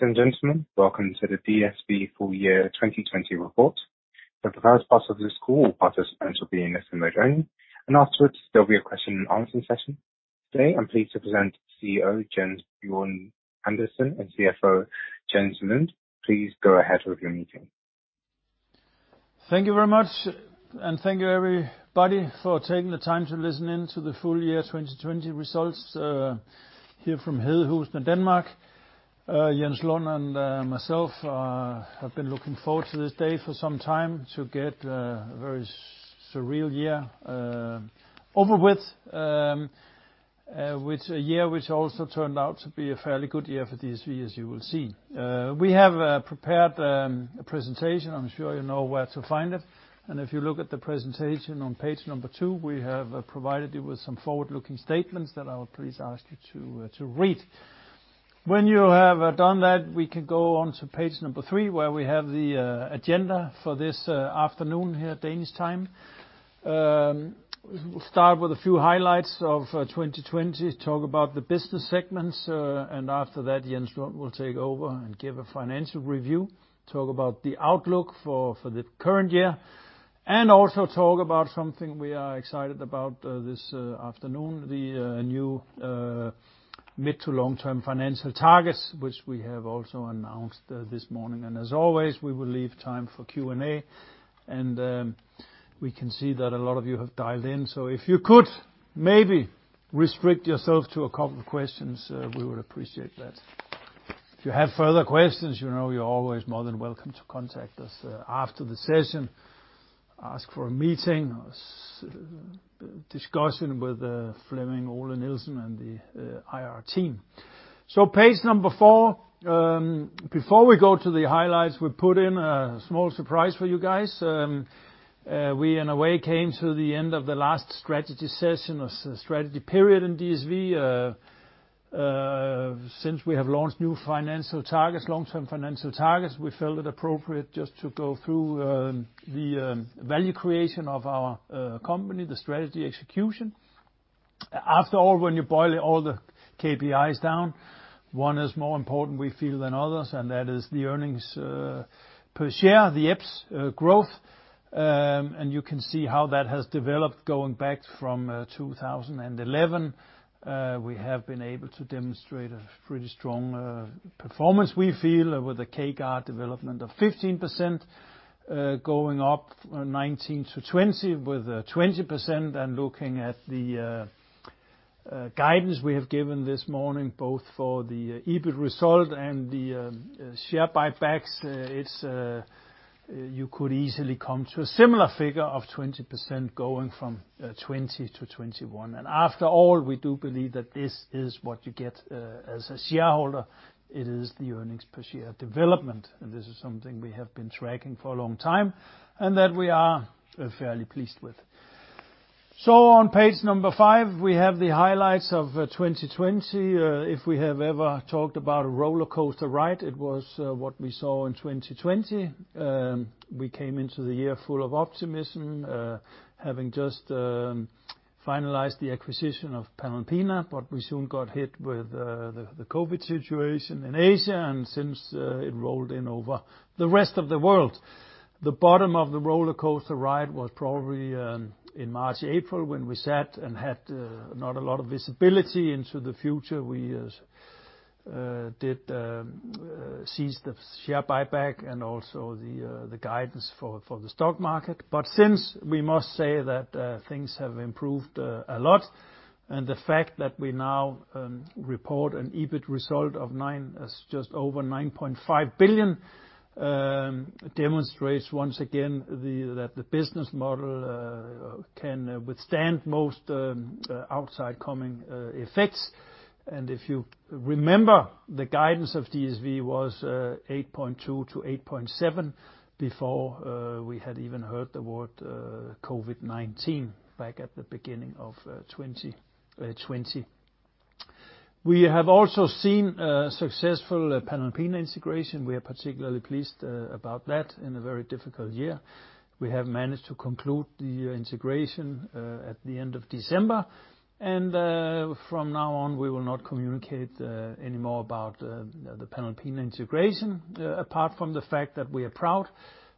Ladies and gentlemen, welcome to the DSV full year 2020 report. For the first part of this call, all participants will be listening only, and afterwards there will be a question and answer session. Today, I am pleased to present CEO Jens Bjørn Andersen and CFO Jens Lund. Please go ahead with your meeting. Thank you very much, and thank you, everybody, for taking the time to listen in to the full year 2020 results here from Hedehusene, Denmark. Jens Lund and myself have been looking forward to this day for some time to get a very surreal year over with. Which a year which also turned out to be a fairly good year for DSV, as you will see. We have prepared a presentation. I'm sure you know where to find it. If you look at the presentation on page number two, we have provided you with some forward-looking statements that I would please ask you to read. When you have done that, we can go on to page number three, where we have the agenda for this afternoon here Danish time. We'll start with a few highlights of 2020, talk about the business segments, and after that, Jens Lund will take over and give a financial review, talk about the outlook for the current year, and also talk about something we are excited about this afternoon, the new mid- to long-term financial targets, which we have also announced this morning. As always, we will leave time for Q&A. We can see that a lot of you have dialed in. If you could maybe restrict yourself to a couple of questions, we would appreciate that. If you have further questions, you know you're always more than welcome to contact us after the session, ask for a meeting or discussion with Flemming Ole Nielsen and the IR team. Page number four, before we go to the highlights, we put in a small surprise for you guys. We, in a way, came to the end of the last strategy session or strategy period in DSV. Since we have launched new financial targets, long-term financial targets, we felt it appropriate just to go through the value creation of our company, the strategy execution. After all, when you boil all the KPIs down, one is more important, we feel, than others, and that is the earnings per share, the EPS growth. You can see how that has developed going back from 2011. We have been able to demonstrate a pretty strong performance, we feel, with the CAGR development of 15% going up 2019-2020 with 20%. Looking at the guidance we have given this morning, both for the EBIT result and the share buybacks, you could easily come to a similar figure of 20% going from 2020-2021. After all, we do believe that this is what you get as a shareholder. It is the earnings per share development, and this is something we have been tracking for a long time and that we are fairly pleased with. On page number five, we have the highlights of 2020. If we have ever talked about a rollercoaster ride, it was what we saw in 2020. We came into the year full of optimism, having just finalized the acquisition of Panalpina, but we soon got hit with the COVID situation in Asia, and since it rolled in over the rest of the world. The bottom of the rollercoaster ride was probably in March, April, when we sat and had not a lot of visibility into the future. We did cease the share buyback and also the guidance for the stock market. Since, we must say that things have improved a lot and the fact that we now report an EBIT result of just over 9.5 billion, demonstrates once again that the business model can withstand most outside coming effects. If you remember, the guidance of DSV was 8.2 billion-8.7 billion before we had even heard the word COVID-19 back at the beginning of 2020. We have also seen a successful Panalpina integration. We are particularly pleased about that in a very difficult year. We have managed to conclude the integration at the end of December. From now on, we will not communicate any more about the Panalpina integration, apart from the fact that we are proud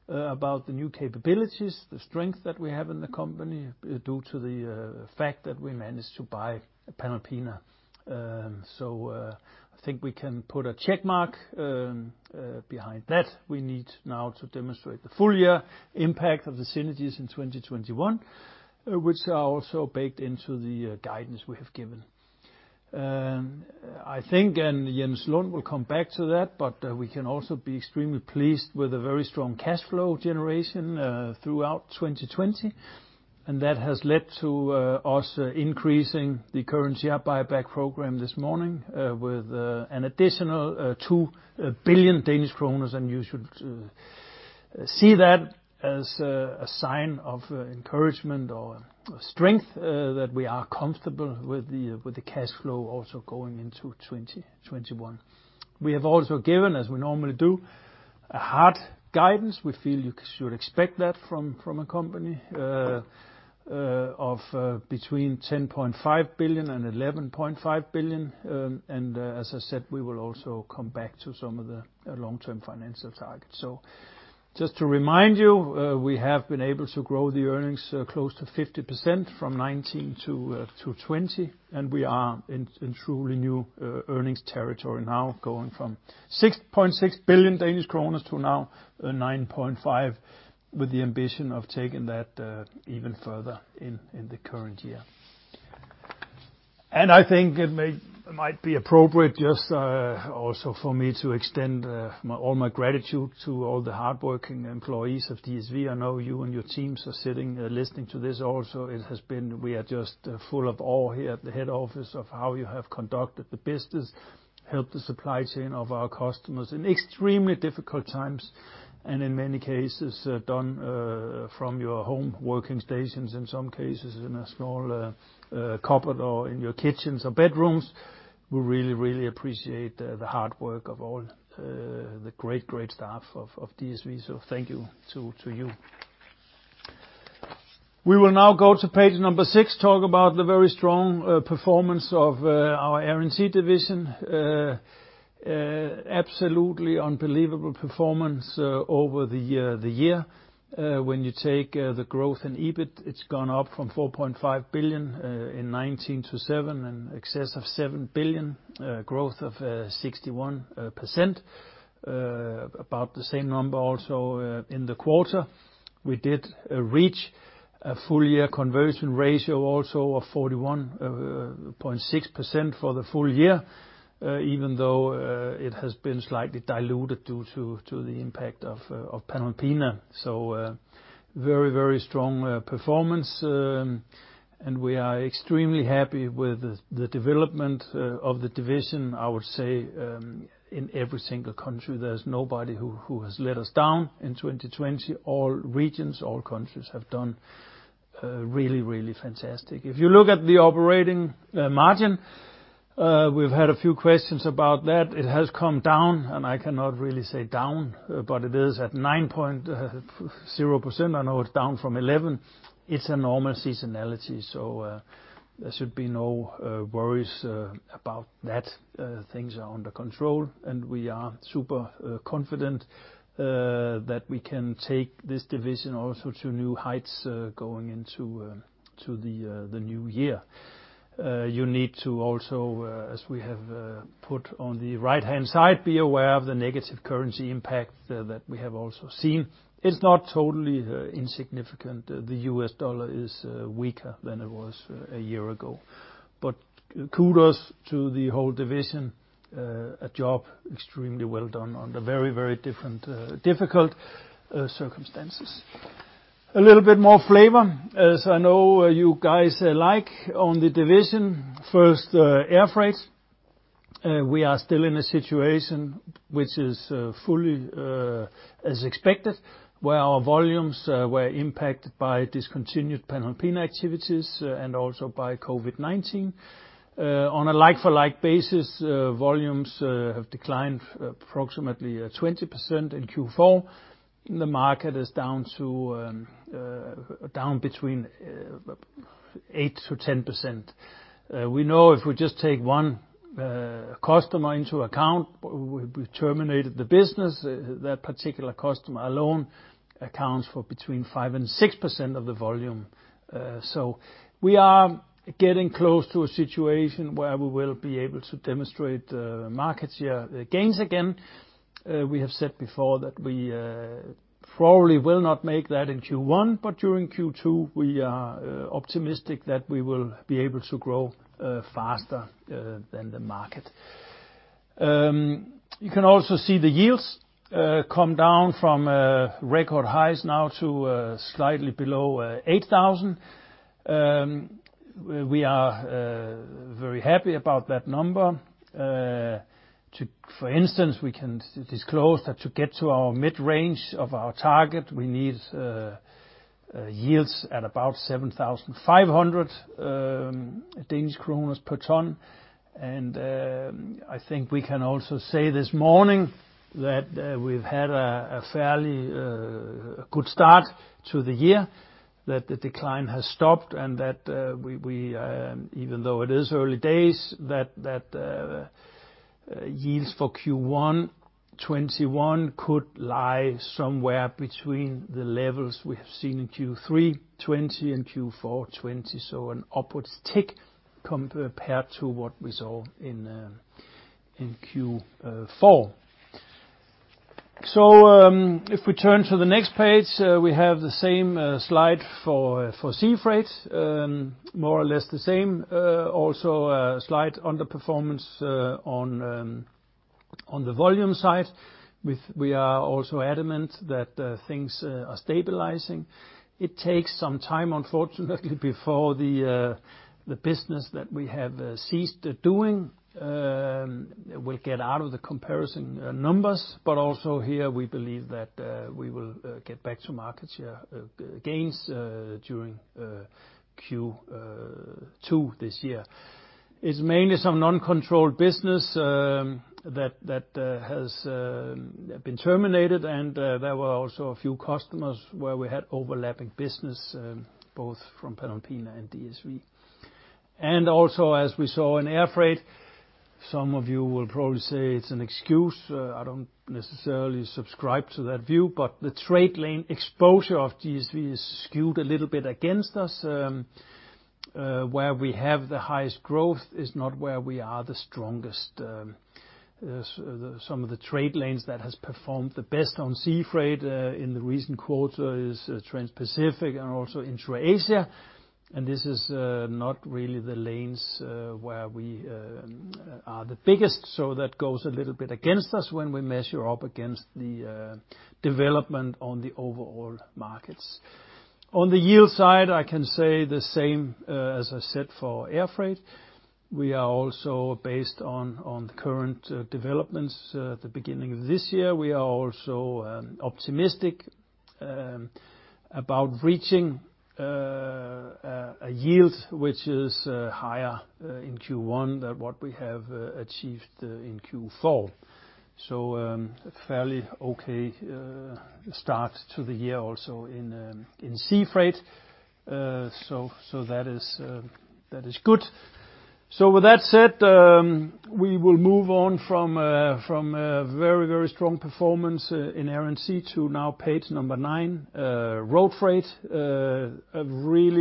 about the new capabilities, the strength that we have in the company due to the fact that we managed to buy Panalpina. I think we can put a check mark behind that. We need now to demonstrate the full year impact of the synergies in 2021, which are also baked into the guidance we have given. I think, Jens Lund will come back to that, we can also be extremely pleased with the very strong cash flow generation throughout 2020. That has led to us increasing the current share buyback program this morning with an additional 2 billion Danish kroner. You should see that as a sign of encouragement or strength that we are comfortable with the cash flow also going into 2021. We have also given, as we normally do, a hard guidance. We feel you should expect that from a company of between 10.5 billion and 11.5 billion. As I said, we will also come back to some of the long-term financial targets. Just to remind you, we have been able to grow the earnings close to 50% from 2019 to 2020. We are in truly new earnings territory now, going from 6.6 billion Danish kroner to now earn 9.5 billion, with the ambition of taking that even further in the current year. I think it might be appropriate just also for me to extend all my gratitude to all the hardworking employees of DSV. I know you and your teams are sitting listening to this also. We are just full of awe here at the head office of how you have conducted the business, helped the supply chain of our customers in extremely difficult times, and in many cases, done from your home working stations, in some cases, in a small cupboard or in your kitchens or bedrooms. We really, really appreciate the hard work of all the great staff of DSV. Thank you to you. We will now go to page number six, talk about the very strong performance of our Air & Sea division. Absolutely unbelievable performance over the year. When you take the growth in EBIT, it's gone up from 4.5 billion in 2019 to 2020, in excess of 7 billion, a growth of 61%. About the same number also in the quarter. We did reach a full-year conversion ratio also of 41.6% for the full year, even though it has been slightly diluted due to the impact of Panalpina. Very strong performance, and we are extremely happy with the development of the division. I would say in every single country, there's nobody who has let us down in 2020. All regions, all countries have done really fantastic. If you look at the operating margin, we've had a few questions about that. It has come down. I cannot really say down, but it is at 9.0%. I know it's down from 11. It's a normal seasonality. There should be no worries about that. Things are under control. We are super confident that we can take this division also to new heights going into the new year. You need to also, as we have put on the right-hand side, be aware of the negative currency impact that we have also seen. It's not totally insignificant. The U.S. dollar is weaker than it was a year ago. Kudos to the whole division. A job extremely well done under very different difficult circumstances. A little bit more flavor, as I know you guys like on the division. First, air freight. We are still in a situation which is fully as expected, where our volumes were impacted by discontinued Panalpina activities and also by COVID-19. On a like-for-like basis, volumes have declined approximately 20% in Q4. The market is down between 8%-10%. We know if we just take one customer into account, we terminated the business. That particular customer alone accounts for between 5% and 6% of the volume. We are getting close to a situation where we will be able to demonstrate market share gains again. We have said before that we probably will not make that in Q1, but during Q2, we are optimistic that we will be able to grow faster than the market. You can also see the yields come down from record highs now to slightly below 8,000. We are very happy about that number. For instance, we can disclose that to get to our mid-range of our target, we need yields at about 7,500 Danish kroner per ton. I think we can also say this morning that we've had a fairly good start to the year, that the decline has stopped, and that even though it is early days, that yields for Q1 2021 could lie somewhere between the levels we have seen in Q3 2020 and Q4 2020. An upwards tick compared to what we saw in Q4. If we turn to the next page, we have the same slide for sea freight, more or less the same. Also a slight underperformance on the volume side. We are also adamant that things are stabilizing. It takes some time, unfortunately, before the business that we have ceased doing will get out of the comparison numbers. Also here, we believe that we will get back to market share gains during Q2 this year. It's mainly some non-controlled business that has been terminated, and there were also a few customers where we had overlapping business, both from Panalpina and DSV. Also, as we saw in air freight, some of you will probably say it's an excuse. I don't necessarily subscribe to that view, but the trade lane exposure of DSV is skewed a little bit against us. Where we have the highest growth is not where we are the strongest. Some of the trade lanes that has performed the best on sea freight in the recent quarter is Trans-Pacific and also Intra-Asia. This is not really the lanes where we are the biggest. That goes a little bit against us when we measure up against the development on the overall markets. On the yield side, I can say the same as I said for Air freight. We are also based on the current developments at the beginning of this year. We are also optimistic about reaching a yield which is higher in Q1 than what we have achieved in Q4. Fairly okay start to the year also in Sea freight. That is good. With that said, we will move on from a very strong performance in Air & Sea to now page number nine, Road.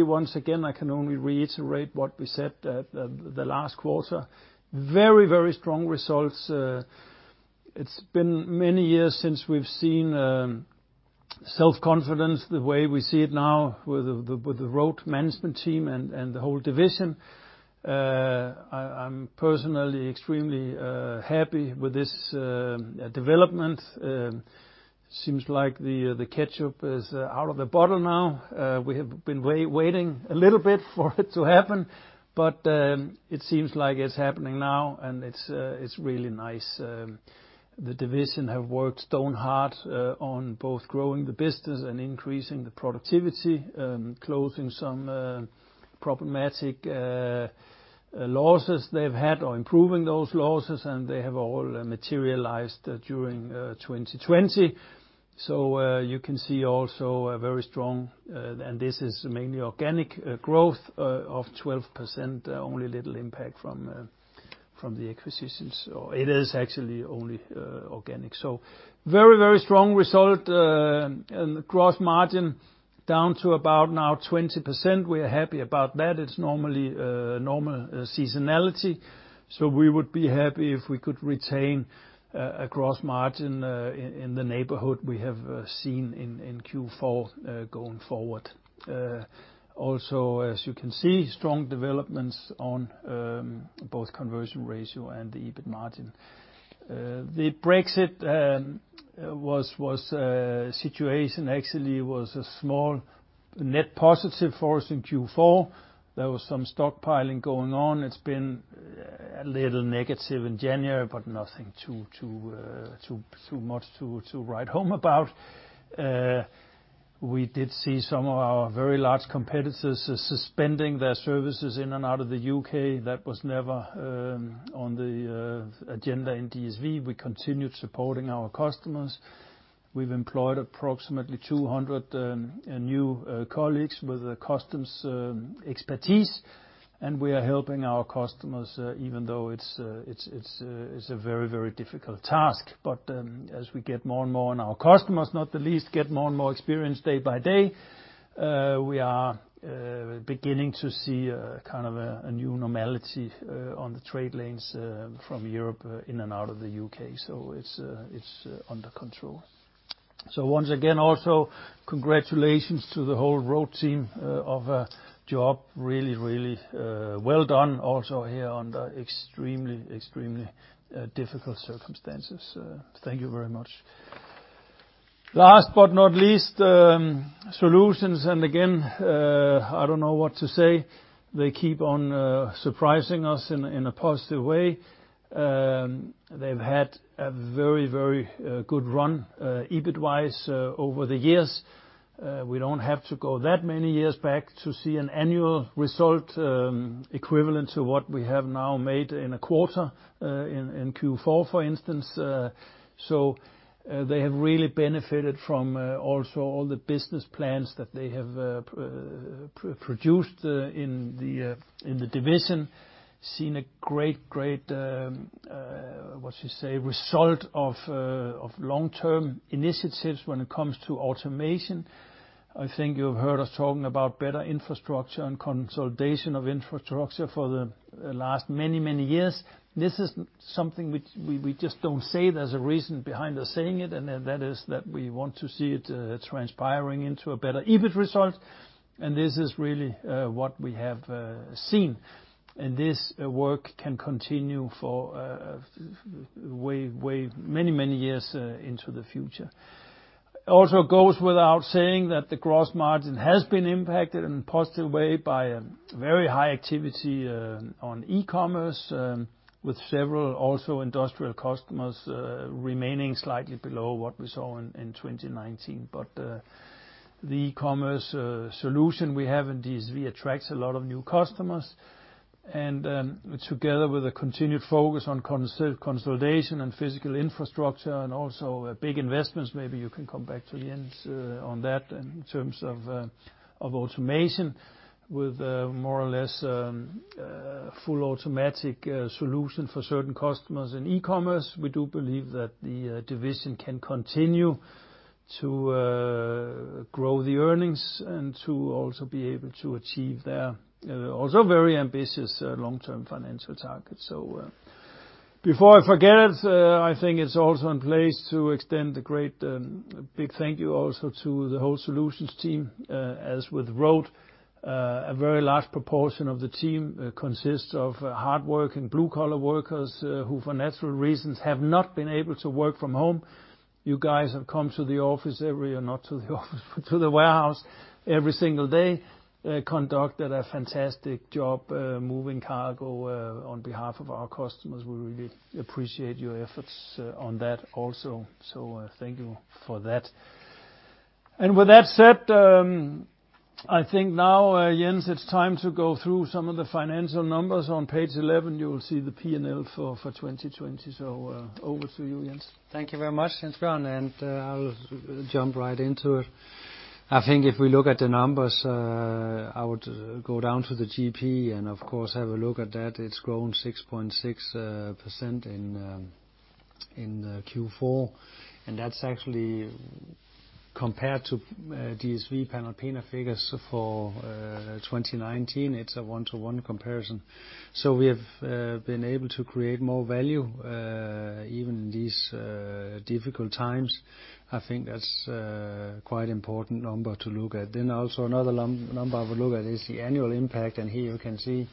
Once again, I can only reiterate what we said the last quarter. Very strong results. It's been many years since we've seen self-confidence the way we see it now with the Road management team and the whole division. I'm personally extremely happy with this development. Seems like the ketchup is out of the bottle now. We have been waiting a little bit for it to happen, but it seems like it's happening now, and it's really nice. The division have worked stone hard on both growing the business and increasing the productivity, closing some problematic losses they've had or improving those losses, and they have all materialized during 2020. You can see also a very strong, and this is mainly organic growth of 12%, only little impact from the acquisitions. It is actually only organic. Very strong result, and the gross margin down to about now 20%. We are happy about that. It's normal seasonality. We would be happy if we could retain a gross margin in the neighborhood we have seen in Q4 going forward. As you can see, strong developments on both conversion ratio and the EBIT margin. The Brexit was a situation, actually was a small net positive for us in Q4. There was some stockpiling going on. It's been a little negative in January, nothing too much to write home about. We did see some of our very large competitors suspending their services in and out of the U.K. That was never on the agenda in DSV. We continued supporting our customers. We've employed approximately 200 new colleagues with customs expertise, we are helping our customers even though it's a very difficult task. As we get more and more and our customers, not the least, get more and more experience day by day, we are beginning to see a kind of a new normality on the trade lanes from Europe in and out of the U.K. It's under control. Once again, also, congratulations to the whole Road team of a job really well done also here under extremely difficult circumstances. Thank you very much. Last but not least, Solutions. Again, I don't know what to say. They keep on surprising us in a positive way. They've had a very good run EBIT-wise over the years. We don't have to go that many years back to see an annual result equivalent to what we have now made in a quarter, in Q4, for instance. They have really benefited from also all the business plans that they have produced in the division. Seen a great, what you say, result of long-term initiatives when it comes to automation. I think you've heard us talking about better infrastructure and consolidation of infrastructure for the last many years. This is something which we just don't say. There's a reason behind us saying it, and that is that we want to see it transpiring into a better EBIT result. This is really what we have seen. This work can continue for way many years into the future. Also goes without saying that the gross margin has been impacted in a positive way by a very high activity on e-commerce, with several also industrial customers remaining slightly below what we saw in 2019. The e-commerce solution we have in DSV attracts a lot of new customers. Together with a continued focus on consolidation and physical infrastructure and also big investments, maybe you can come back to Jens on that in terms of automation with more or less full automatic solution for certain customers in e-commerce. We do believe that the division can continue to grow the earnings and to also be able to achieve their also very ambitious long-term financial targets. Before I forget, I think it's also in place to extend a great big thank you also to the whole Solutions team. As with Road, a very large proportion of the team consists of hardworking blue-collar workers who, for natural reasons, have not been able to work from home. You guys have come to the office every, or not to the office, but to the warehouse every single day, conducted a fantastic job moving cargo on behalf of our customers. We really appreciate your efforts on that also. Thank you for that. With that said, I think now, Jens, it's time to go through some of the financial numbers. On page 11, you will see the P&L for 2020. Over to you, Jens. Thank you very much, Jens Bjørn. I'll jump right into it. I think if we look at the numbers, I would go down to the GP, of course, have a look at that. It's grown 6.6% in Q4. That's actually compared to DSV Panalpina figures for 2019. It's a one-to-one comparison. We have been able to create more value, even in these difficult times. I think that's quite important number to look at. Also another number I would look at is the annual impact. Here you can see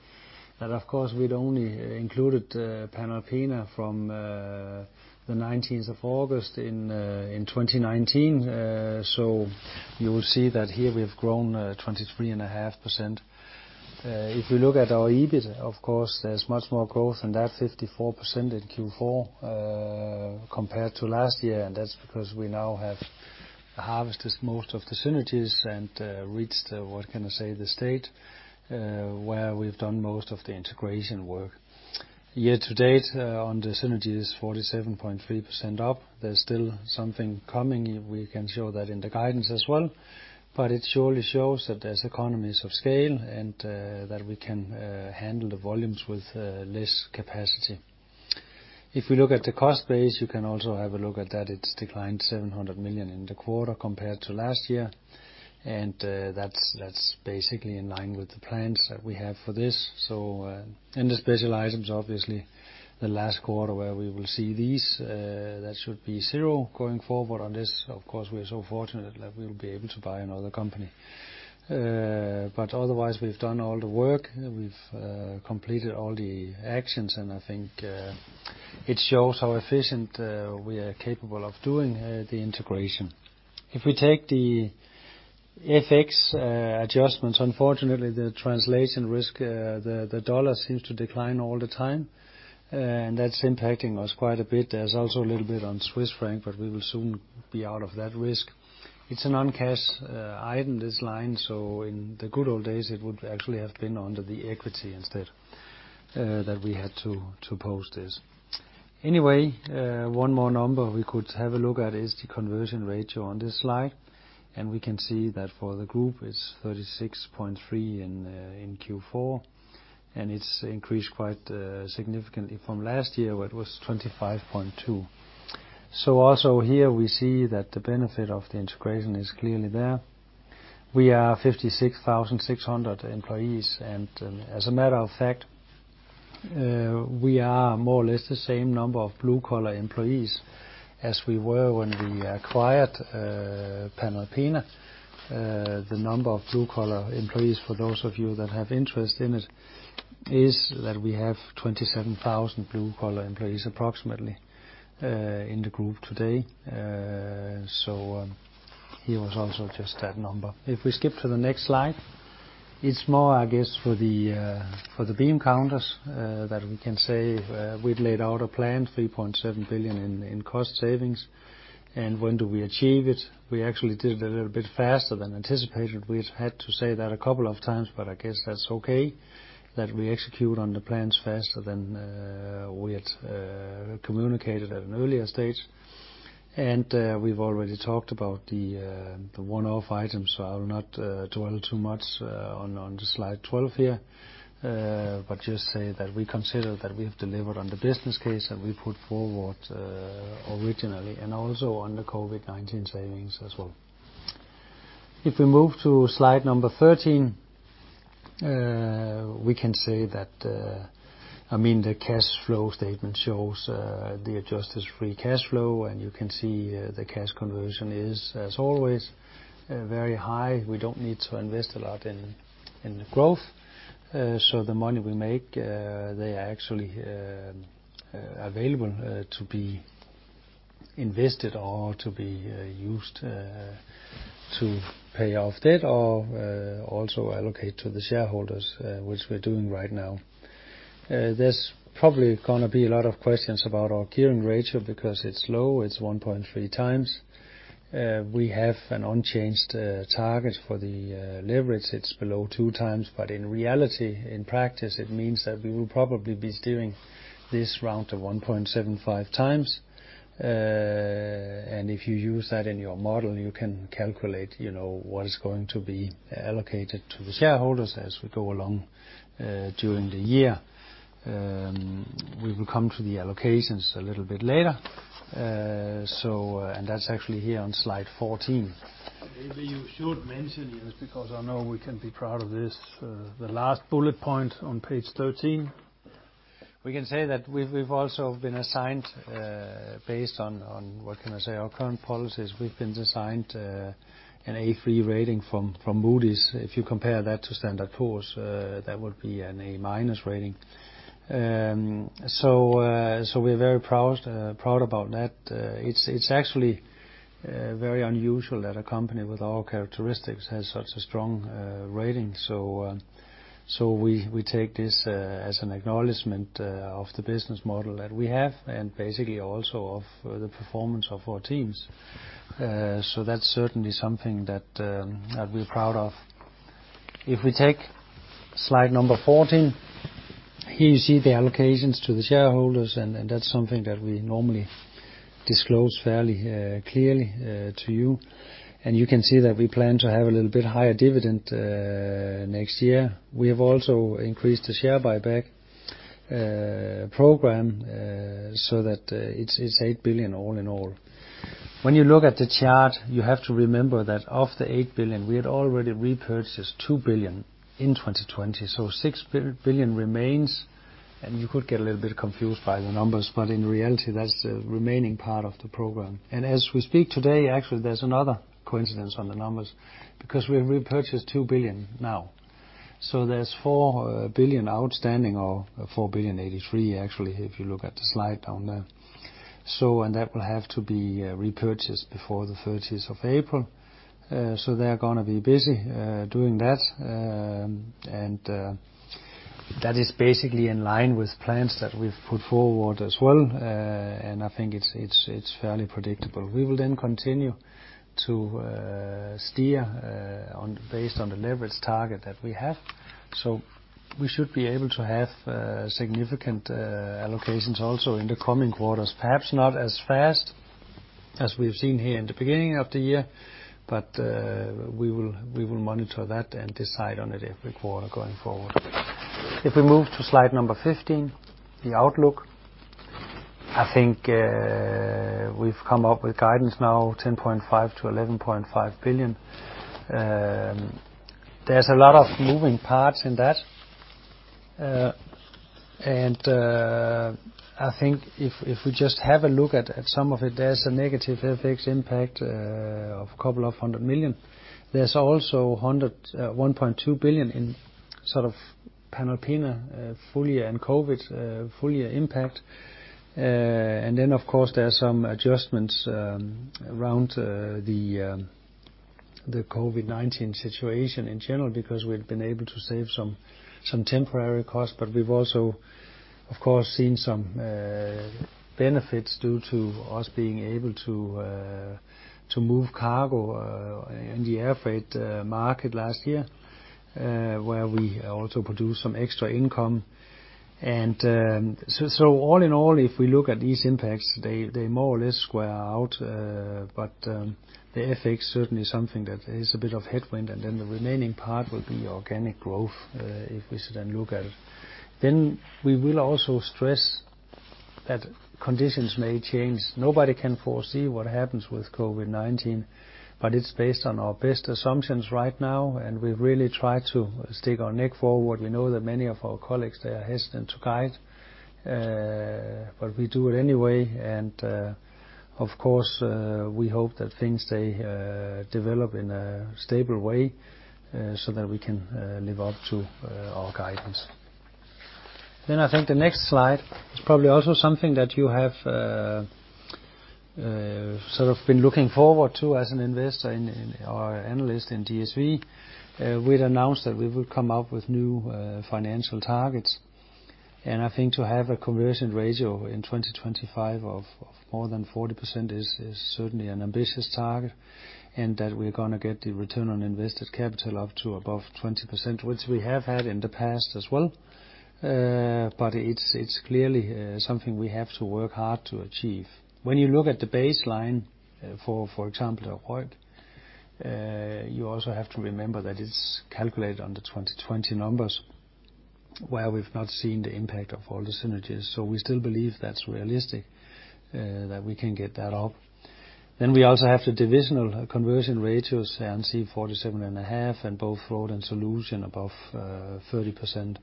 that, of course, we'd only included Panalpina from the 19th of August in 2019. You will see that here we've grown 23.5%. If we look at our EBIT, of course, there's much more growth, that 54% in Q4, compared to last year, that's because we now have harvested most of the synergies and reached, what can I say, the state where we've done most of the integration work. Year to date on the synergies, 47.3% up. There's still something coming. We can show that in the guidance as well, it surely shows that there's economies of scale and that we can handle the volumes with less capacity. If we look at the cost base, you can also have a look at that. It's declined 700 million in the quarter compared to last year, that's basically in line with the plans that we have for this. In the special items, obviously, the last quarter where we will see these, that should be zero going forward on this. Of course, we are so fortunate that we'll be able to buy another company. Otherwise, we've done all the work. We've completed all the actions. I think it shows how efficient we are capable of doing the integration. If we take the FX adjustments, unfortunately, the translation risk, the dollar seems to decline all the time. That's impacting us quite a bit. There's also a little bit on Swiss Franc, we will soon be out of that risk. It's a non-cash item, this line. In the good old days, it would actually have been under the equity instead, that we had to post this. Anyway, one more number we could have a look at is the conversion ratio on this slide. We can see that for the group, it's 36.3% in Q4. It's increased quite significantly from last year where it was 25.2%. Also here we see that the benefit of the integration is clearly there. We are 56,600 employees, and as a matter of fact, we are more or less the same number of blue-collar employees as we were when we acquired Panalpina. The number of blue-collar employees, for those of you that have interest in it, is that we have 27,000 blue-collar employees approximately in the group today. Here was also just that number. If we skip to the next slide, it's more, I guess, for the beam counters, that we can say we'd laid out a plan, 3.7 billion in cost savings. When do we achieve it? We actually did a little bit faster than anticipated. We've had to say that a couple of times, but I guess that's okay, that we execute on the plans faster than we had communicated at an earlier stage. We've already talked about the one-off items, so I will not dwell too much on the slide 12 here. Just say that we consider that we have delivered on the business case that we put forward originally, and also on the COVID-19 savings as well. If we move to slide 13, we can say that, I mean, the cash flow statement shows the adjusted free cash flow, and you can see the cash conversion is as always very high. We don't need to invest a lot in the growth. The money we make, they are actually available to be invested or to be used to pay off debt or also allocate to the shareholders, which we're doing right now. There's probably going to be a lot of questions about our gearing ratio, because it's low, it's 1.3x. We have an unchanged target for the leverage. It's below 2x. In reality, in practice, it means that we will probably be steering this round to 1.75x. If you use that in your model, you can calculate what is going to be allocated to the shareholders as we go along during the year. We will come to the allocations a little bit later. That's actually here on slide 14. Maybe you should mention this, because I know we can be proud of this, the last bullet point on page 13. We can say that we've also been assigned, based on, what can I say, our current policies, we've been assigned an A3 rating from Moody's. If you compare that to Standard & Poor's, that would be an A-minus rating. We're very proud about that. It's actually very unusual that a company with our characteristics has such a strong rating. We take this as an acknowledgement of the business model that we have and basically also of the performance of our teams. That's certainly something that I'd be proud of. If we take slide number 14, here you see the allocations to the shareholders, and that's something that we normally disclose fairly clearly to you. You can see that we plan to have a little bit higher dividend next year. We have also increased the share buyback program so that it's 8 billion all in all. When you look at the chart, you have to remember that of the 8 billion, we had already repurchased 2 billion in 2020. 6 billion remains. You could get a little bit confused by the numbers, in reality, that's the remaining part of the program. As we speak today, actually, there's another coincidence on the numbers, because we've repurchased 2 billion now. There's 4 billion outstanding or 4.083 billion, actually, if you look at the slide down there. That will have to be repurchased before the 30th of April. They're going to be busy doing that is basically in line with plans that we've put forward as well. I think it's fairly predictable. We will continue to steer based on the leverage target that we have. We should be able to have significant allocations also in the coming quarters, perhaps not as fast as we've seen here in the beginning of the year, but we will monitor that and decide on it every quarter going forward. If we move to slide number 15, the outlook. I think we've come up with guidance now, 10.5 billion-11.5 billion. There's a lot of moving parts in that. I think if we just have a look at some of it, there's a negative FX impact of 200 million. There's also 1.2 billion in Panalpina full year and COVID full year impact. Then, of course, there are some adjustments around the COVID-19 situation in general, because we've been able to save some temporary costs, but we've also, of course, seen some benefits due to us being able to move cargo in the air freight market last year, where we also produced some extra income. So all in all, if we look at these impacts, they more or less square out. The FX certainly is something that is a bit of headwind, and then the remaining part will be organic growth, if we should then look at it. We will also stress that conditions may change. Nobody can foresee what happens with COVID-19, but it's based on our best assumptions right now, and we really try to stick our neck forward. We know that many of our colleagues, they are hesitant to guide. We do it anyway. Of course, we hope that things, they develop in a stable way so that we can live up to our guidance. I think the next slide is probably also something that you have sort of been looking forward to as an investor or analyst in DSV. We'd announced that we would come up with new financial targets. I think to have a conversion ratio in 2025 of more than 40% is certainly an ambitious target, and that we're going to get the return on invested capital up to above 20%, which we have had in the past as well. It's clearly something we have to work hard to achieve. When you look at the baseline, for example, the ROIC, you also have to remember that it's calculated on the 2020 numbers, where we've not seen the impact of all the synergies. We still believe that's realistic, that we can get that up. We also have the divisional conversion ratios there on Air & Sea 47.5%, and both Road and Solutions above 30%.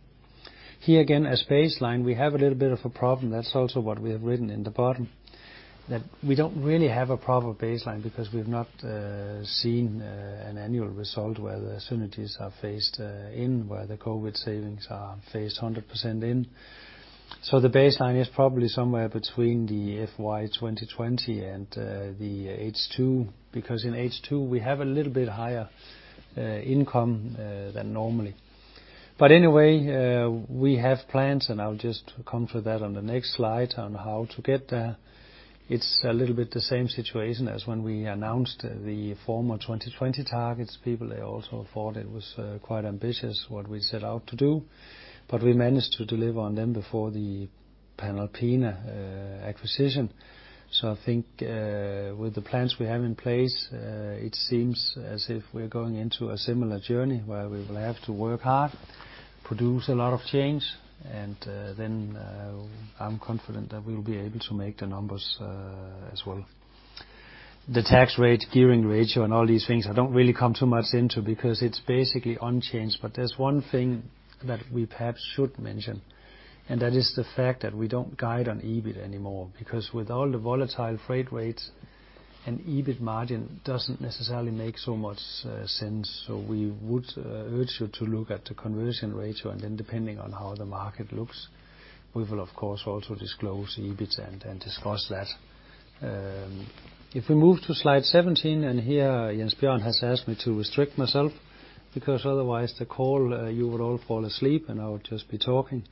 Here again, as baseline, we have a little bit of a problem. That's also what we have written in the bottom, that we don't really have a proper baseline because we've not seen an annual result where the synergies are phased in, where the COVID-19 savings are phased 100% in. The baseline is probably somewhere between the FY 2020 and the H2, because in H2 we have a little bit higher income than normally. Anyway, we have plans, and I'll just come to that on the next slide on how to get there. It's a little bit the same situation as when we announced the former 2020 targets. People, they also thought it was quite ambitious what we set out to do. We managed to deliver on them before the Panalpina acquisition. I think with the plans we have in place, it seems as if we're going into a similar journey where we will have to work hard, produce a lot of change, and then, I'm confident that we will be able to make the numbers as well. The tax rate, gearing ratio, and all these things, I don't really come too much into, because it's basically unchanged. There's one thing that we perhaps should mention, and that is the fact that we don't guide on EBIT anymore. With all the volatile freight rates, an EBIT margin doesn't necessarily make so much sense. We would urge you to look at the conversion ratio, and then depending on how the market looks, we will of course also disclose EBIT and discuss that. If we move to slide 17, here, Jens Bjørn has asked me to restrict myself, because otherwise the call, you would all fall asleep and I would just be talking.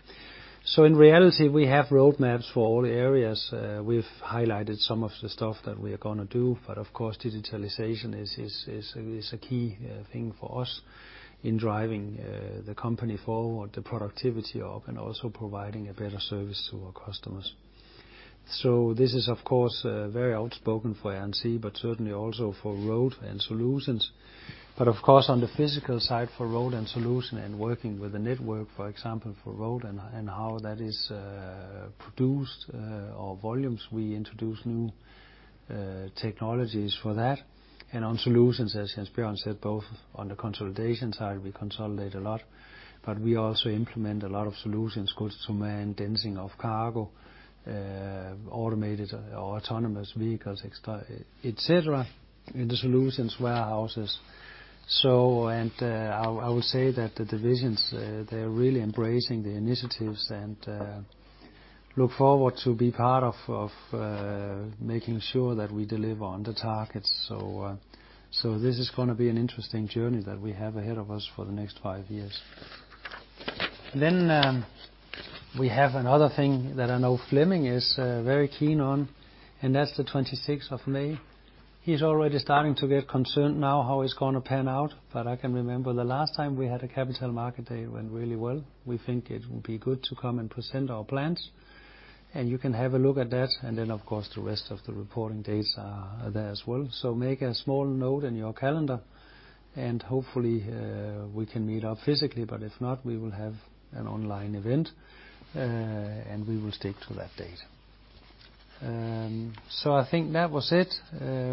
In reality, we have roadmaps for all areas. We've highlighted some of the stuff that we are going to do. Of course, digitalization is a key thing for us in driving the company forward, the productivity up, and also providing a better service to our customers. This is, of course, very outspoken for Air & Sea, but certainly also for Road and Solutions. Of course, on the physical side for Road and Solution and working with a network, for example, for Road and how that is produced, our volumes, we introduce new technologies for that. On Solutions, as Jens Bjørn said, both on the consolidation side, we consolidate a lot, but we also implement a lot of solutions, goods to man, densing of cargo, automated or autonomous vehicles, et cetera, in the Solutions warehouses. I would say that the divisions, they're really embracing the initiatives and look forward to be part of making sure that we deliver on the targets. This is going to be an interesting journey that we have ahead of us for the next five years. We have another thing that I know Flemming is very keen on, and that's the 26th of May. He's already starting to get concerned now how it's going to pan out. I can remember the last time we had a capital market day, it went really well. We think it will be good to come and present our plans, and you can have a look at that. Then, of course, the rest of the reporting dates are there as well. Make a small note in your calendar, and hopefully, we can meet up physically. If not, we will have an online event, and we will stick to that date. I think that was it.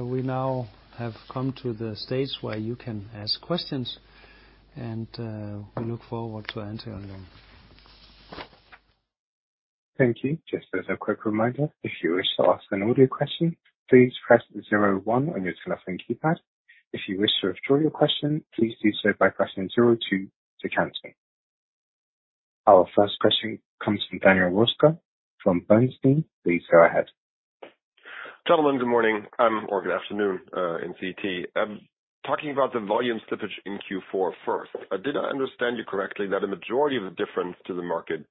We now have come to the stage where you can ask questions, and we look forward to answering them. Thank you. Just as a quick reminder, if you wish to ask an audio question, please press zero one on your telephone keypad. If you wish to withdraw your question, please do so by pressing zero two to cancel. Our first question comes from Daniel Röska from Bernstein. Please go ahead. Gentlemen, good morning, or good afternoon in CET. Talking about the volume slippage in Q4 first, did I understand you correctly that a majority of the difference to the market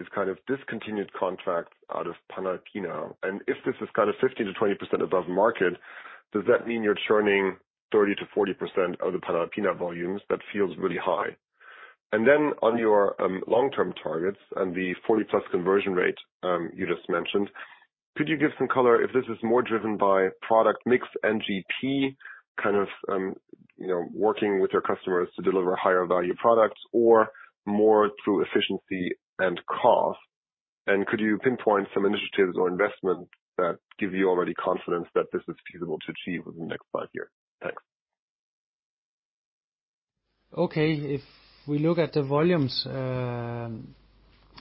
is kind of discontinued contracts out of Panalpina? If this is kind of 15%-20% above market, does that mean you're churning 30%-40% of the Panalpina volumes? That feels really high. On your long-term targets and the 40+ conversion rate you just mentioned, could you give some color if this is more driven by product mix and GP, kind of working with your customers to deliver higher-value products, or more through efficiency and cost? Could you pinpoint some initiatives or investments that give you already confidence that this is feasible to achieve within the next five years? Thanks. Okay, if we look at the volumes,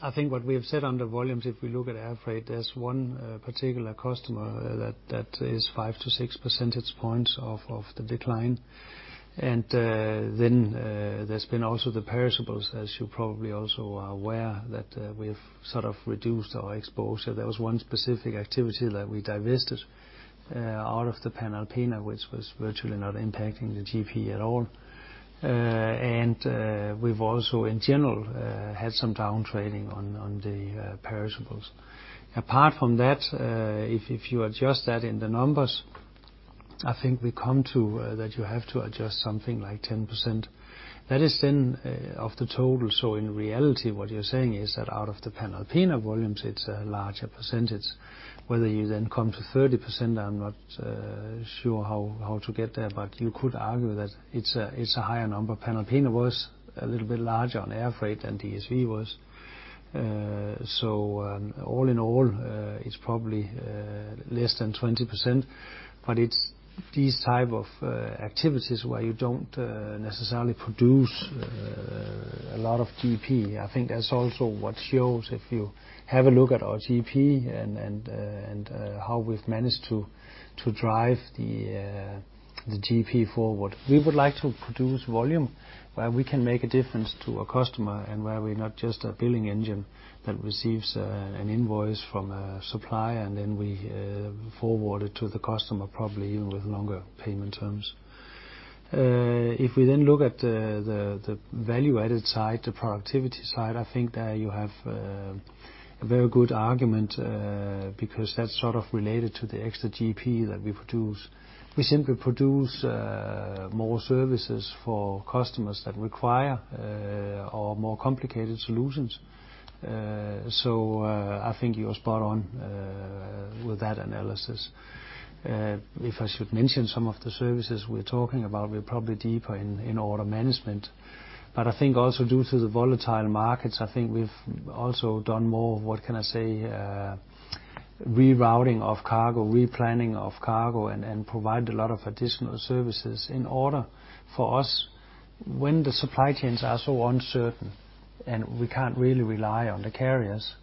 I think what we have said on the volumes, if we look at air freight, there's one particular customer that is 5-6 percentage points of the decline. Then there's been also the perishables, as you probably also are aware, that we've sort of reduced our exposure. There was one specific activity that we divested out of the Panalpina, which was virtually not impacting the GP at all. We've also in general had some down trading on the perishables. Apart from that, if you adjust that in the numbers, I think we come to that you have to adjust something like 10%. That is then of the total. In reality, what you're saying is that out of the Panalpina volumes, it's a larger percentage. Whether you then come to 30%, I'm not sure how to get there, but you could argue that it's a higher number. Panalpina was a little bit larger on air freight than DSV was. All in all, it's probably less than 20%, but it's these type of activities where you don't necessarily produce a lot of GP. I think that's also what shows if you have a look at our GP and how we've managed to drive the GP forward. We would like to produce volume where we can make a difference to a customer and where we're not just a billing engine that receives an invoice from a supplier and then we forward it to the customer, probably even with longer payment terms. If we look at the value-added side, the productivity side, I think there you have a very good argument, because that's sort of related to the extra GP that we produce. We simply produce more services for customers that require our more complicated solutions. I think you're spot on with that analysis. If I should mention some of the services we're talking about, we're probably deeper in order management. I think also due to the volatile markets, I think we've also done more, what can I say, rerouting of cargo, replanning of cargo, and provide a lot of additional services in order for us, when the supply chains are so uncertain and we can't really rely on the carriers,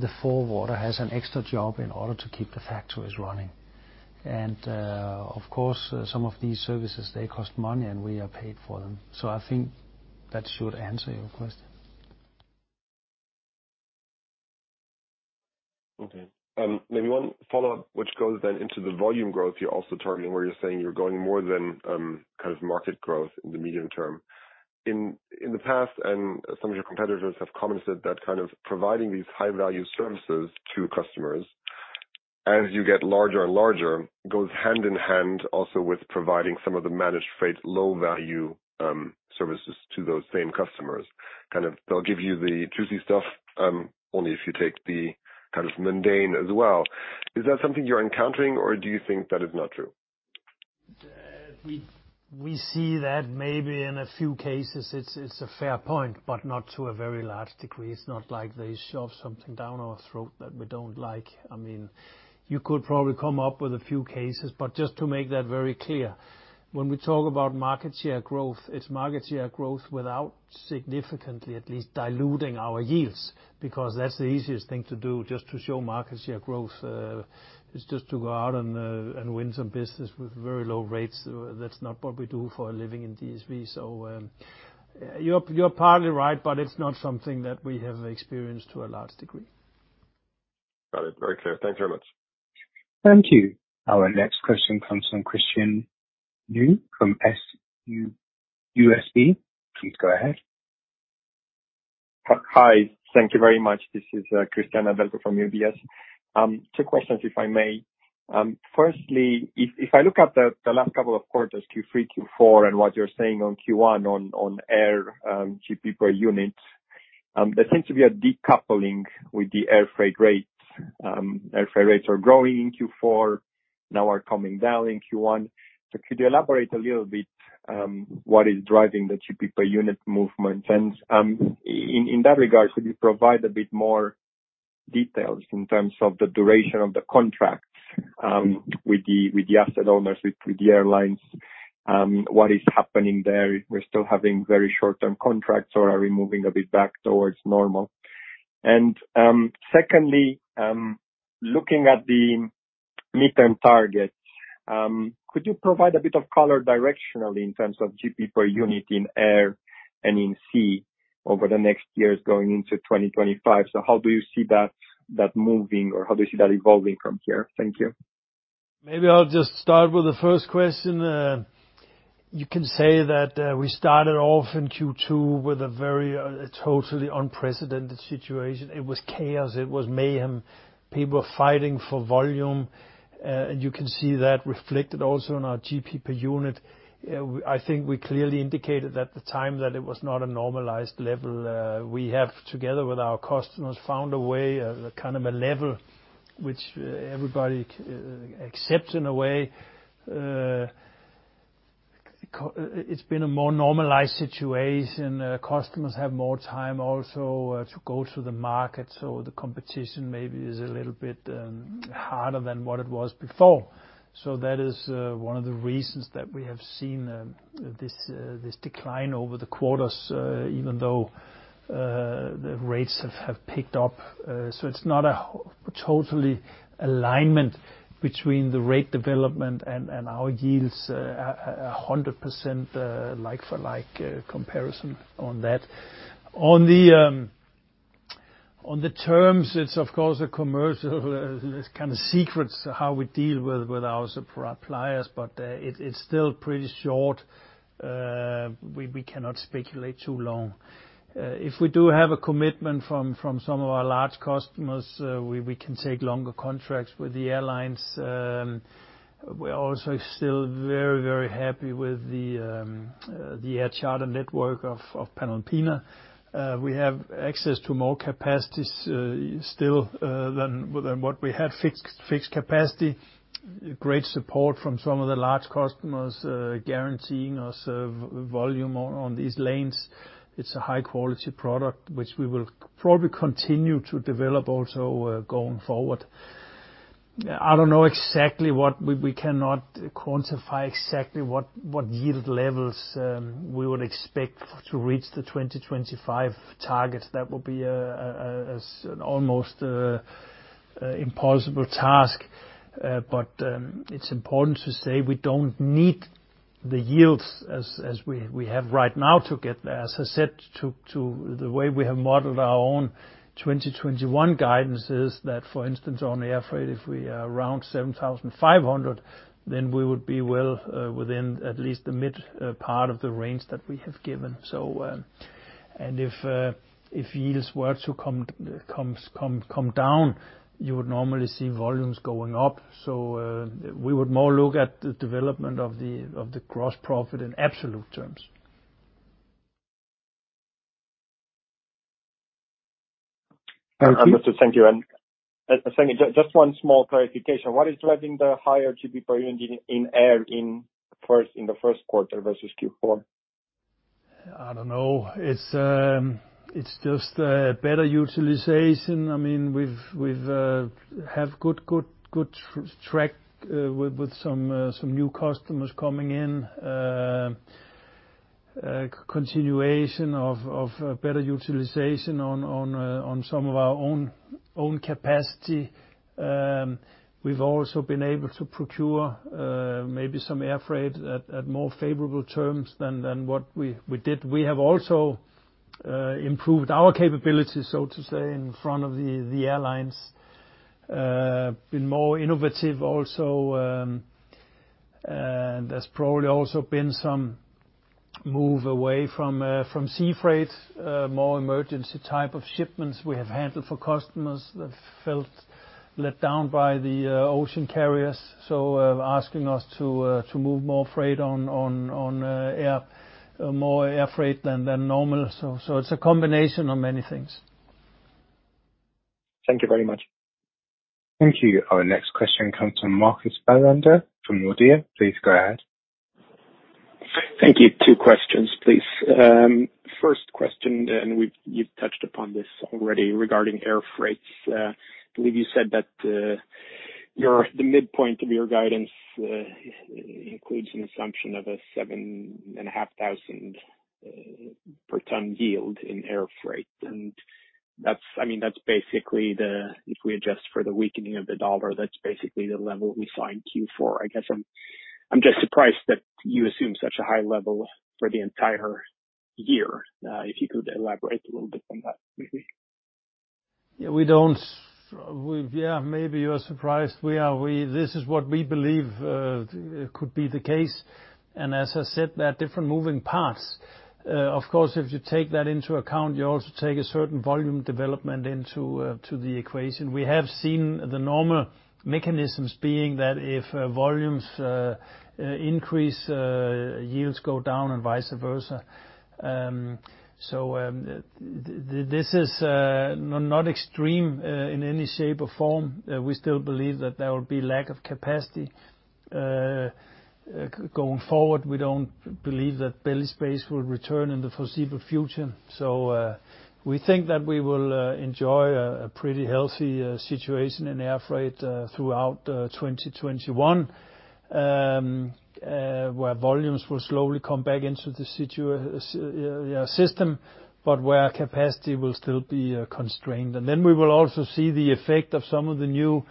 the forwarder has an extra job in order to keep the factories running. Of course, some of these services, they cost money, and we are paid for them. I think that should answer your question. Okay. Maybe one follow-up, which goes then into the volume growth you're also targeting, where you're saying you're growing more than market growth in the medium term. In the past, and some of your competitors have commented that kind of providing these high-value services to customers, as you get larger and larger, goes hand-in-hand also with providing some of the managed freight low-value services to those same customers. Kind of they'll give you the juicy stuff, only if you take the mundane as well. Is that something you're encountering, or do you think that is not true? We see that maybe in a few cases, it's a fair point, but not to a very large degree. It's not like they shove something down our throat that we don't like. You could probably come up with a few cases. Just to make that very clear, when we talk about market share growth, it's market share growth without significantly at least diluting our yields, because that's the easiest thing to do just to show market share growth, is just to go out and win some business with very low rates. That's not what we do for a living in DSV. You're partly right, but it's not something that we have experienced to a large degree. Got it. Very clear. Thank you very much. Thank you. Our next question comes from Cristian Yu from UBS. Please go ahead. Hi. Thank you very much. This is Cristian Nedelcu from UBS. Two questions, if I may. Firstly, if I look at the last couple of quarters, Q3, Q4, and what you're saying on Q1 on air GP per unit, there seems to be a decoupling with the air freight rates. Air freight rates are growing in Q4, now are coming down in Q1. Could you elaborate a little bit what is driving the GP per unit movement? In that regard, could you provide a bit more details in terms of the duration of the contracts with the asset owners, with the airlines? What is happening there? We're still having very short-term contracts, or are we moving a bit back towards normal? Secondly, looking at the midterm targets, could you provide a bit of color directionally in terms of GP per unit in Air & Sea over the next years going into 2025? How do you see that moving, or how do you see that evolving from here? Thank you. Maybe I'll just start with the first question. You can say that we started off in Q2 with a totally unprecedented situation. It was chaos. It was mayhem. People were fighting for volume, and you can see that reflected also in our GP per unit. I think we clearly indicated at the time that it was not a normalized level. We have, together with our customers, found a way, kind of a level, which everybody accepts in a way. It's been a more normalized situation. Customers have more time also to go to the market, so the competition maybe is a little bit harder than what it was before. That is one of the reasons that we have seen this decline over the quarters, even though the rates have picked up. It's not a total alignment between the rate development and our yields 100% like for like comparison on that. On the terms, it's of course a commercial kind of secret how we deal with our suppliers, but it's still pretty short. We cannot speculate too long. If we do have a commitment from some of our large customers, we can take longer contracts with the airlines. We're also still very, very happy with the air charter network of Panalpina. We have access to more capacities still than what we have fixed capacity. Great support from some of the large customers guaranteeing us volume on these lanes. It's a high-quality product, which we will probably continue to develop also going forward. I don't know exactly. We cannot quantify exactly what yield levels we would expect to reach the 2025 targets. That will be an almost impossible task. It's important to say we don't need the yields as we have right now to get there. As I said, the way we have modeled our own 2021 guidance is that, for instance, on air freight, if we are around 7,500, then we would be well within at least the mid part of the range that we have given. If yields were to come down, you would normally see volumes going up. We would more look at the development of the gross profit in absolute terms. Understood. Thank you. Just one small clarification. What is driving the higher GP per unit in Air in the first quarter versus Q4? I don't know. It's just better utilization. We've had good track with some new customers coming in. Continuation of better utilization on some of our own capacity. We've also been able to procure maybe some air freight at more favorable terms than what we did. We have also improved our capabilities, so to say, in front of the airlines. Been more innovative also. There's probably also been some move away from sea freight, more emergency type of shipments we have handled for customers that felt let down by the ocean carriers, asking us to move more freight on air, more air freight than normal. It's a combination of many things. Thank you very much. Thank you. Our next question comes from Marcus Bellander from Nordea. Please go ahead. Thank you. Two questions, please. First question, you've touched upon this already regarding air freight. I believe you said that the midpoint of your guidance includes an assumption of a 7,500 per ton yield in air freight. That's basically, if we adjust for the weakening of the dollar, that's basically the level we saw in Q4. I guess I'm just surprised that you assume such a high level for the entire year. If you could elaborate a little bit on that, maybe. Yeah, maybe you're surprised. This is what we believe could be the case. As I said, there are different moving parts. Of course, if you take that into account, you also take a certain volume development into the equation. We have seen the normal mechanisms being that if volumes increase, yields go down, and vice versa. This is not extreme in any shape or form. We still believe that there will be lack of capacity going forward. We don't believe that belly space will return in the foreseeable future. We think that we will enjoy a pretty healthy situation in air freight throughout 2021, where volumes will slowly come back into the system, but where capacity will still be constrained. Then we will also see the effect of some of the new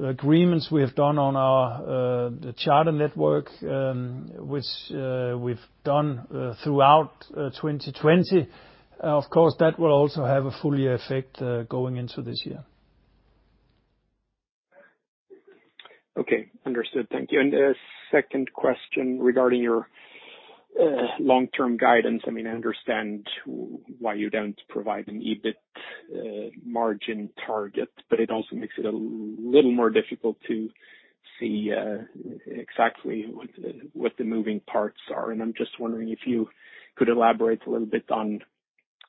agreements we have done on the charter network, which we've done throughout 2020. Of course, that will also have a full-year effect going into this year. Okay. Understood. Thank you. Second question regarding your long-term guidance. I understand why you don't provide an EBIT margin target, but it also makes it a little more difficult to see exactly what the moving parts are. I'm just wondering if you could elaborate a little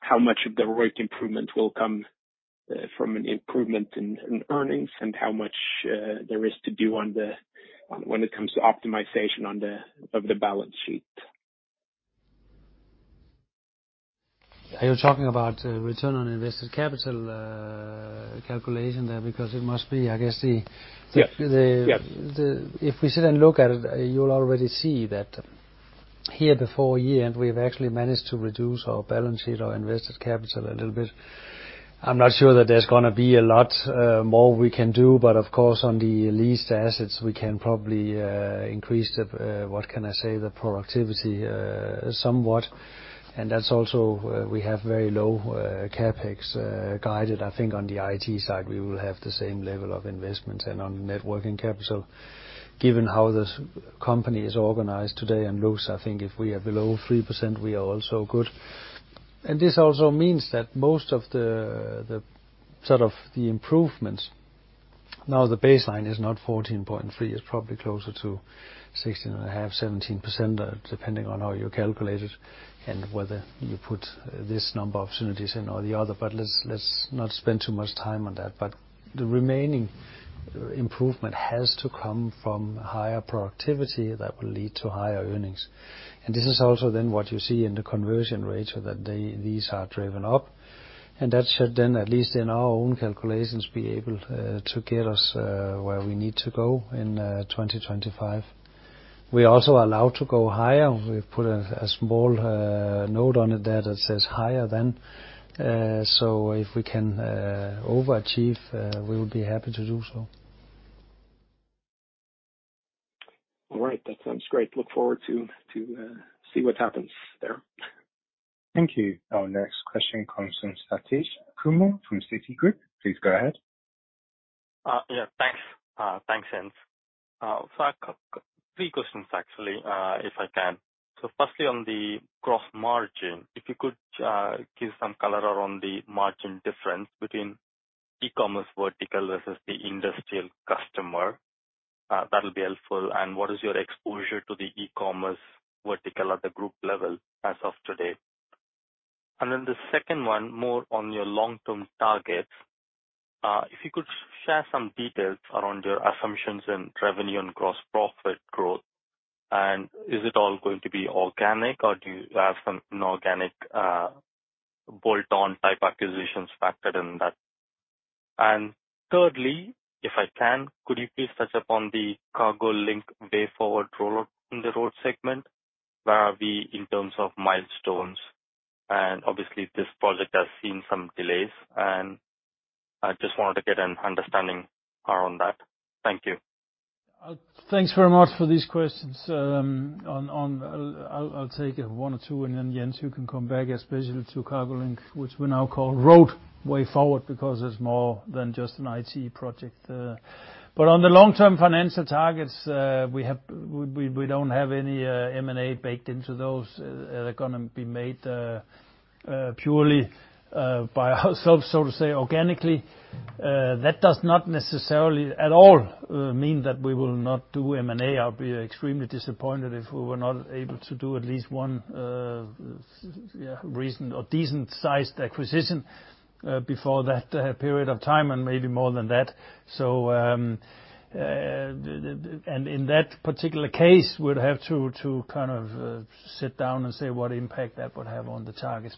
bit on how much of the ROIC improvement will come from an improvement in earnings, and how much there is to do when it comes to optimization of the balance sheet. Are you talking about return on invested capital calculation there? Because it must be. Yeah. We sit and look at it, you'll already see that here before year-end, we've actually managed to reduce our balance sheet or invested capital a little bit. I'm not sure that there's going to be a lot more we can do, of course, on the leased assets, we can probably increase the, what can I say, the productivity somewhat. That's also why we have very low CapEx guided. I think on the IT side, we will have the same level of investment and on networking capital. Given how this company is organized today and looks, I think if we are below 3%, we are also good. This also means that most of the improvements, now the baseline is not 14.3, it's probably closer to 16.5, 17%, depending on how you calculate it and whether you put this number of synergies in or the other. Let's not spend too much time on that. The remaining improvement has to come from higher productivity that will lead to higher earnings. This is also then what you see in the conversion rates, that these are driven up. That should then, at least in our own calculations, be able to get us where we need to go in 2025. We also are allowed to go higher. We put a small note on it there that says higher than, so if we can overachieve, we will be happy to do so. All right. That sounds great. Look forward to see what happens there. Thank you. Our next question comes from Sathish Kumar from Citigroup. Please go ahead. Yeah. Thanks, Jens. I've got three questions actually, if I can. Firstly, on the gross margin, if you could give some color around the margin difference between e-commerce vertical versus the industrial customer, that will be helpful. What is your exposure to the e-commerce vertical at the group level as of today? The second one, more on your long-term targets, if you could share some details around your assumptions in revenue and gross profit growth, and is it all going to be organic, or do you have some inorganic bolt-on type acquisitions factored in that? Thirdly, if I can, could you please touch upon the CargoLink Way Forward rollout in the Road segment? Where are we in terms of milestones? Obviously, this project has seen some delays, and I just wanted to get an understanding around that. Thank you. Thanks very much for these questions. I'll take one or two and then, Jens, you can come back, especially to CargoLink, which we now call Road Way Forward because it's more than just an IT project. On the long-term financial targets, we don't have any M&A baked into those. They're going to be made purely by ourselves, so to say, organically. That does not necessarily at all mean that we will not do M&A. I'll be extremely disappointed if we were not able to do at least one recent or decent-sized acquisition before that period of time, and maybe more than that. In that particular case, we'd have to sit down and say what impact that would have on the targets.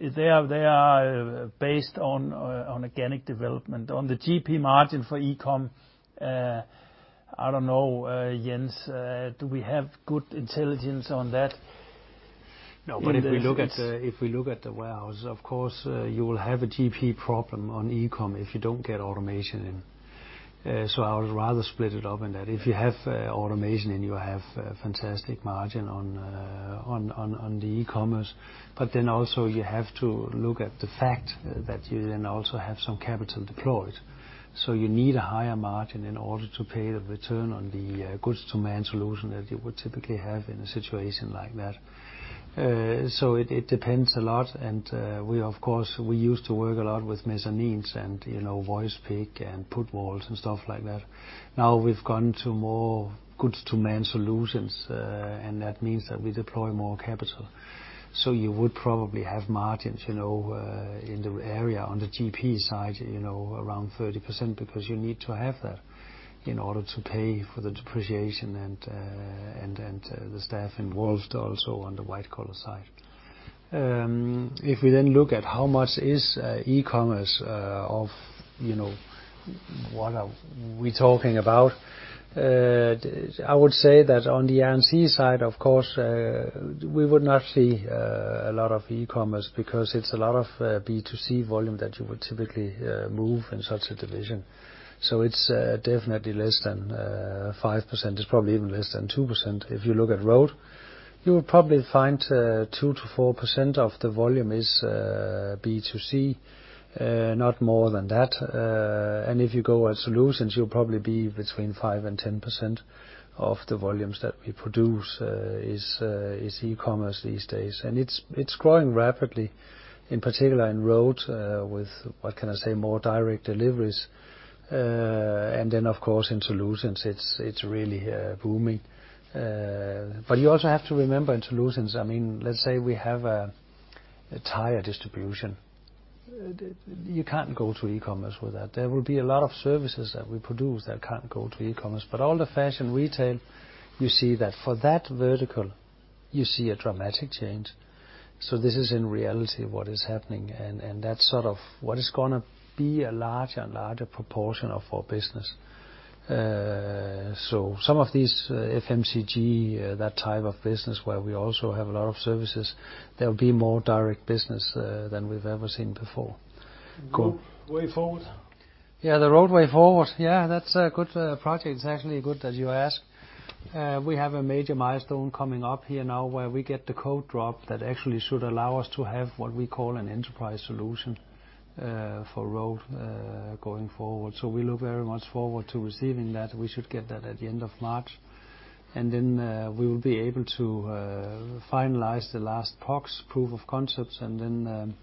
They are based on organic development. On the GP margin for e-com, I don't know, Jens, do we have good intelligence on that? If we look at the warehouse, of course, you will have a GP problem on e-com if you don't get automation in. I would rather split it up in that if you have automation in, you have a fantastic margin on the e-commerce. Also, you have to look at the fact that you then also have some capital deployed. You need a higher margin in order to pay the return on the goods-to-man solution that you would typically have in a situation like that. It depends a lot, and we, of course, we used to work a lot with mezzanines and voice pick and put walls and stuff like that. Now we've gone to more goods-to-man solutions, and that means that we deploy more capital. You would probably have margins in the area on the GP side around 30% because you need to have that in order to pay for the depreciation and the staff involved also on the white-collar side. If we then look at how much is e-commerce of what are we talking about, I would say that on the Air & Sea side, of course, we would not see a lot of e-commerce because it's a lot of B2C volume that you would typically move in such a division. It's definitely less than 5%. It's probably even less than 2%. If you look at Road, you will probably find 2%-4% of the volume is B2C, not more than that. If you go at Solutions, you'll probably be between 5%-10% of the volumes that we produce is e-commerce these days. It's growing rapidly, in particular in Road, with, what can I say, more direct deliveries. Of course, in Solutions, it's really booming. You also have to remember in Solutions, let's say we have a tire distribution. You can't go to e-commerce with that. There will be a lot of services that we produce that can't go to e-commerce. All the fashion retail, you see that for that vertical, you see a dramatic change. This is in reality what is happening, and that's sort of what is going to be a larger and larger proportion of our business. Some of these FMCG, that type of business, where we also have a lot of services, there will be more direct business than we've ever seen before. Go. Way Forward? Yeah, the Road Way Forward. Yeah, that's a good project. It's actually good that you ask. We have a major milestone coming up here now where we get the code drop that actually should allow us to have what we call an enterprise solution for Road going forward. We look very much forward to receiving that. We should get that at the end of March, and then we will be able to finalize the last PoCs, proof of concepts, and then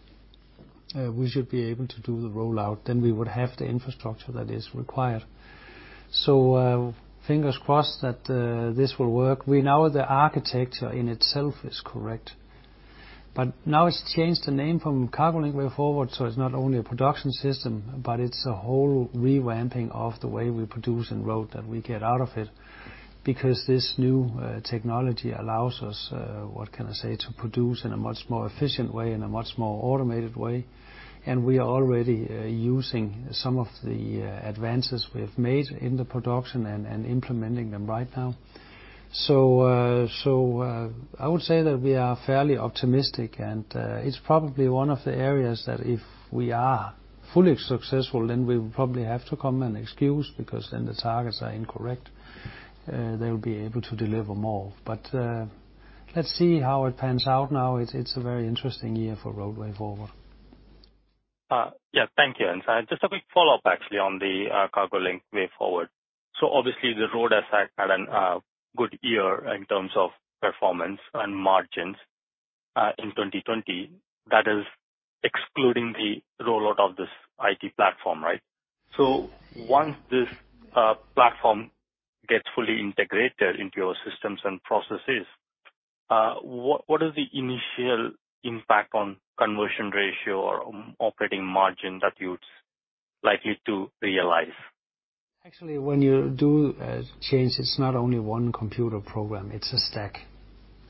we should be able to do the rollout. We would have the infrastructure that is required. Fingers crossed that this will work. We know the architecture in itself is correct. Now it's changed the name from CargoLink Way Forward, so it's not only a production system, but it's a whole revamping of the way we produce in Road that we get out of it. This new technology allows us, what can I say, to produce in a much more efficient way, in a much more automated way. We are already using some of the advances we have made in the production and implementing them right now. I would say that we are fairly optimistic, and it's probably one of the areas that if we are fully successful, then we will probably have to come and excuse because then the targets are incorrect. They'll be able to deliver more. Let's see how it pans out now. It's a very interesting year for Road Way Forward. Yeah. Thank you. Just a quick follow-up actually on the CargoLink Way Forward. Obviously the Road asset had a good year in terms of performance and margins, in 2020. That is excluding the rollout of this IT platform, right? Once this platform gets fully integrated into your systems and processes, what is the initial impact on conversion ratio or operating margin that you'd likely to realize? Actually, when you do a change, it's not only one computer program, it's a stack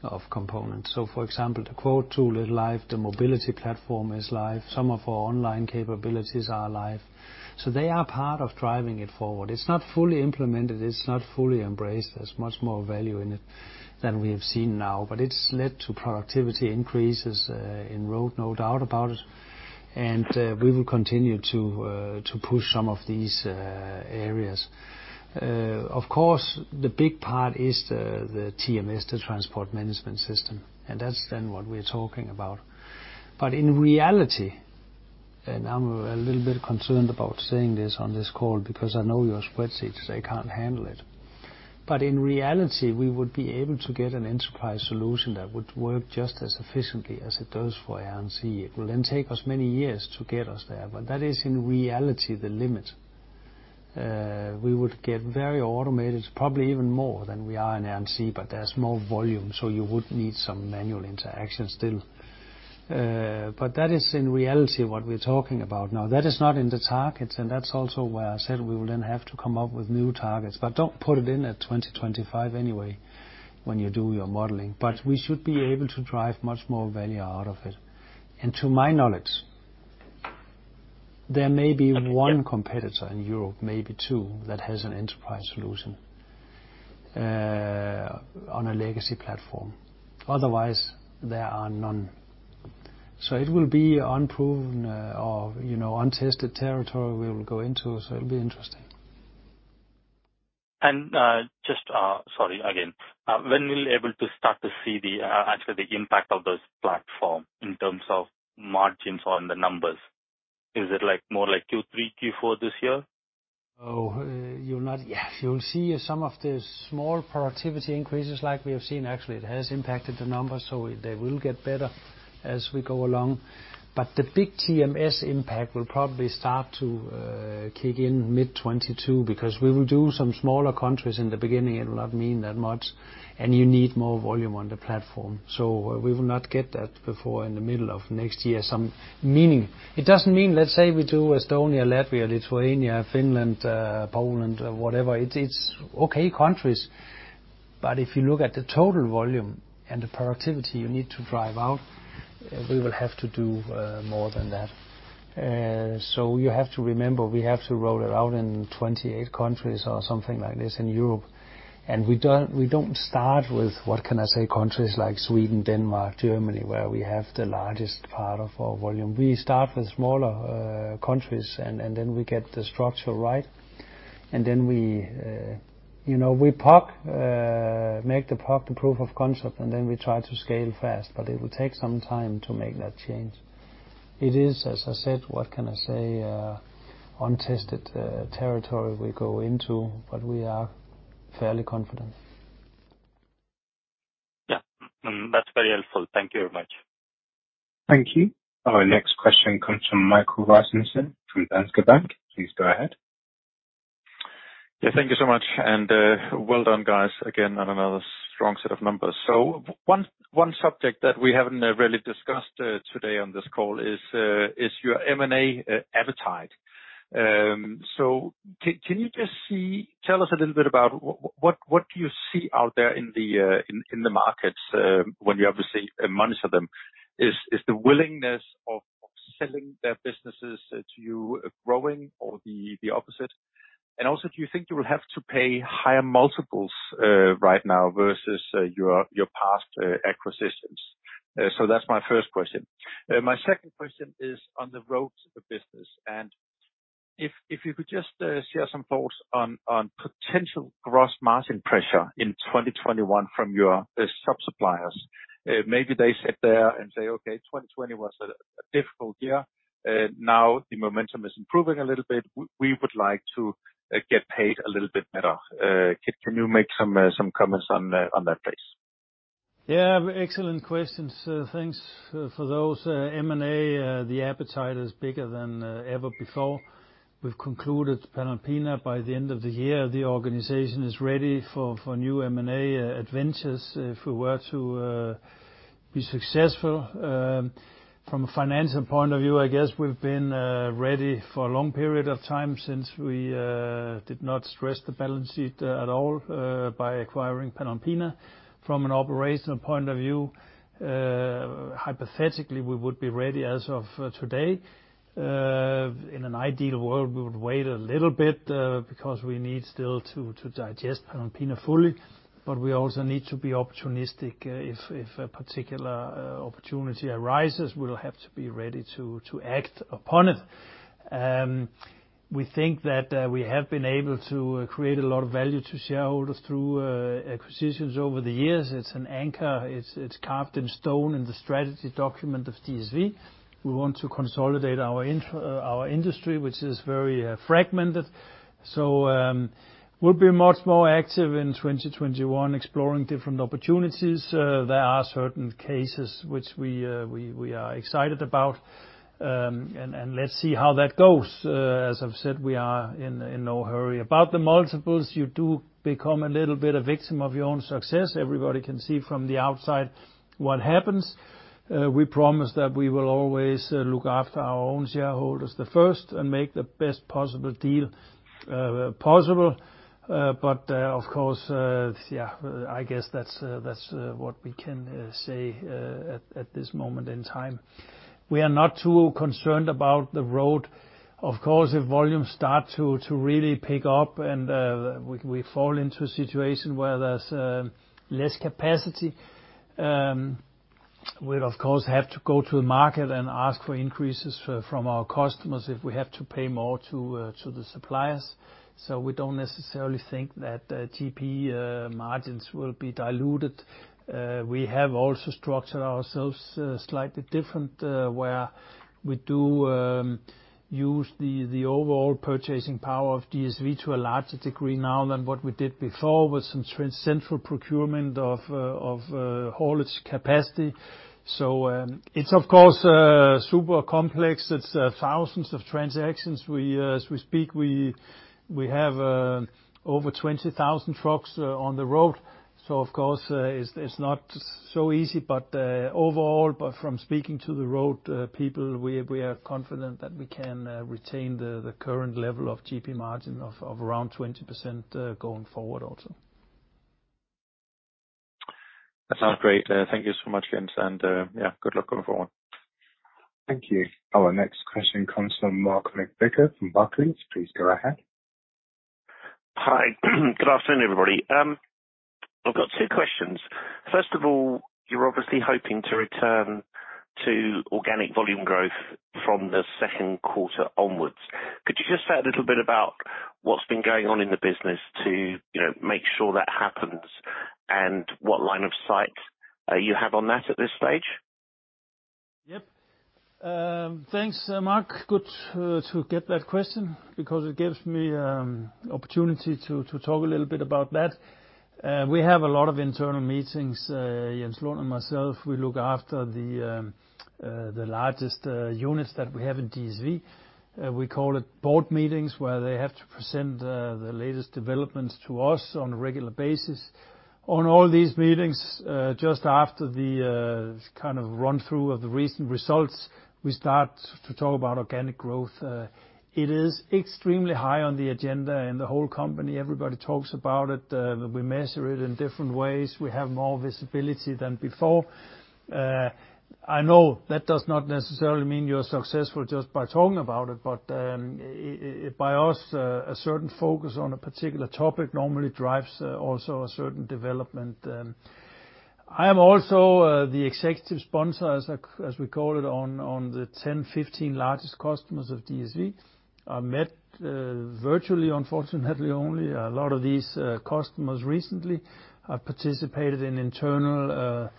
of components. For example, the quote tool is live, the mobility platform is live, some of our online capabilities are live. They are part of driving it forward. It's not fully implemented, it's not fully embraced. There's much more value in it than we have seen now. It's led to productivity increases in Road, no doubt about it. We will continue to push some of these areas. Of course, the big part is the TMS, the transport management system, that's then what we're talking about. In reality, I'm a little bit concerned about saying this on this call because I know your spreadsheets, they can't handle it. In reality, we would be able to get an enterprise solution that would work just as efficiently as it does for A & Sea. It will then take us many years to get us there, but that is in reality the limit. We would get very automated, probably even more than we are in A & Sea, but there's more volume, so you would need some manual interaction still. That is in reality what we're talking about. Now, that is not in the targets, and that's also why I said we will then have to come up with new targets, but don't put it in at 2025 anyway when you do your modeling. We should be able to drive much more value out of it. To my knowledge, there may be one competitor in Europe, maybe two, that has an enterprise solution on a legacy platform. Otherwise, there are none. It will be unproven or untested territory we will go into, so it'll be interesting. Just, sorry again, when will you able to start to see the, actually the impact of this platform in terms of margins on the numbers? Is it more like Q3, Q4 this year? You'll not Yeah, you'll see some of the small productivity increases like we have seen. Actually, it has impacted the numbers, so they will get better as we go along. The big TMS impact will probably start to kick in mid 2022 because we will do some smaller countries in the beginning. It will not mean that much, and you need more volume on the platform. We will not get that before in the middle of next year, some meaning. It doesn't mean, let's say we do Estonia, Latvia, Lithuania, Finland, Poland, whatever. It's okay countries, but if you look at the total volume and the productivity you need to drive out, we will have to do more than that. You have to remember, we have to roll it out in 28 countries or something like this in Europe. We don't start with, what can I say, countries like Sweden, Denmark, Germany, where we have the largest part of our volume. We start with smaller countries and then we get the structure right. Then we make the PoC, the proof of concept, and then we try to scale fast. It will take some time to make that change. It is, as I said, what can I say, untested territory we go into, but we are fairly confident. Yeah. Mm-hmm. That's very helpful. Thank you very much. Thank you. Our next question comes from Michael Rasmussen from Danske Bank. Please go ahead. Yeah, thank you so much, and well done, guys, on another strong set of numbers. One subject that we haven't really discussed today on this call is your M&A appetite. Can you just tell us a little bit about what do you see out there in the markets, when you obviously monitor them? Is the willingness of selling their businesses to you growing or the opposite? Also, do you think you will have to pay higher multiples right now versus your past acquisitions? That's my first question. My second question is on the Road business, and if you could just share some thoughts on potential gross margin pressure in 2021 from your sub-suppliers. Maybe they sit there and say, "Okay, 2020 was a difficult year. Now the momentum is improving a little bit. We would like to get paid a little bit better." Can you make some comments on that please? Yeah, excellent questions. Thanks for those. M&A, the appetite is bigger than ever before. We've concluded Panalpina by the end of the year. The organization is ready for new M&A adventures if we were to be successful. From a financial point of view, I guess we've been ready for a long period of time since we did not stress the balance sheet at all by acquiring Panalpina. From an operational point of view, hypothetically, we would be ready as of today. In an ideal world, we would wait a little bit because we need still to digest Panalpina fully, but we also need to be opportunistic. If a particular opportunity arises, we'll have to be ready to act upon it. We think that we have been able to create a lot of value to shareholders through acquisitions over the years. It's an anchor. It's carved in stone in the strategy document of DSV. We want to consolidate our industry, which is very fragmented. We'll be much more active in 2021, exploring different opportunities. There are certain cases which we are excited about, and let's see how that goes. As I've said, we are in no hurry. About the multiples, you do become a little bit a victim of your own success. Everybody can see from the outside what happens. We promise that we will always look after our own shareholders the first and make the best possible deal possible. Of course, yeah, I guess that's what we can say at this moment in time. We are not too concerned about the Road. Of course, if volumes start to really pick up and we fall into a situation where there's less capacity, we'd of course have to go to the market and ask for increases from our customers if we have to pay more to the suppliers. We don't necessarily think that GP margins will be diluted. We have also structured ourselves slightly different, where we do use the overall purchasing power of DSV to a larger degree now than what we did before with some central procurement of haulage capacity. It's, of course, super complex. It's thousands of transactions. As we speak, we have over 20,000 trucks on the Road, so of course it's not so easy. Overall, from speaking to the Road people, we are confident that we can retain the current level of GP margin of around 20% going forward also. That sounds great. Thank you so much, Jens, and yeah, good luck going forward. Thank you. Our next question comes from Mark McVicar from Barclays. Please go ahead. Hi. Good afternoon, everybody. I've got two questions. First of all, you're obviously hoping to return to organic volume growth from the second quarter onwards. Could you just say a little bit about what's been going on in the business to make sure that happens, and what line of sight you have on that at this stage? Yep. Thanks, Mark. Good to get that question because it gives me opportunity to talk a little bit about that. We have a lot of internal meetings, Jens Lund and myself, we look after the largest units that we have in DSV. We call it board meetings, where they have to present the latest developments to us on a regular basis. On all these meetings, just after the run-through of the recent results, we start to talk about organic growth. It is extremely high on the agenda in the whole company. Everybody talks about it. We measure it in different ways. We have more visibility than before. I know that does not necessarily mean you're successful just by talking about it, but by us, a certain focus on a particular topic normally drives also a certain development. I am also the executive sponsor, as we call it, on the 10, 15 largest customers of DSV. I met, virtually, unfortunately, only a lot of these customers recently. I participated in internal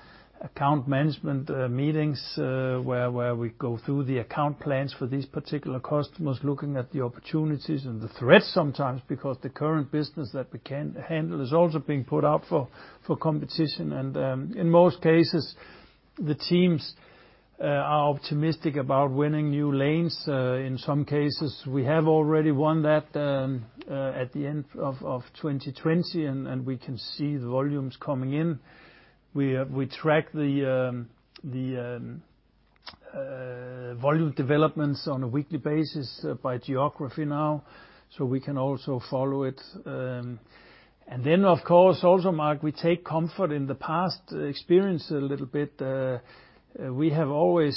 account management meetings, where we go through the account plans for these particular customers, looking at the opportunities and the threats sometimes because the current business that we can handle is also being put out for competition. In most cases, the teams are optimistic about winning new lanes. In some cases, we have already won that at the end of 2020, and we can see the volumes coming in. We track the volume developments on a weekly basis by geography now, so we can also follow it. Of course, also, Mark, we take comfort in the past experience a little bit. We have always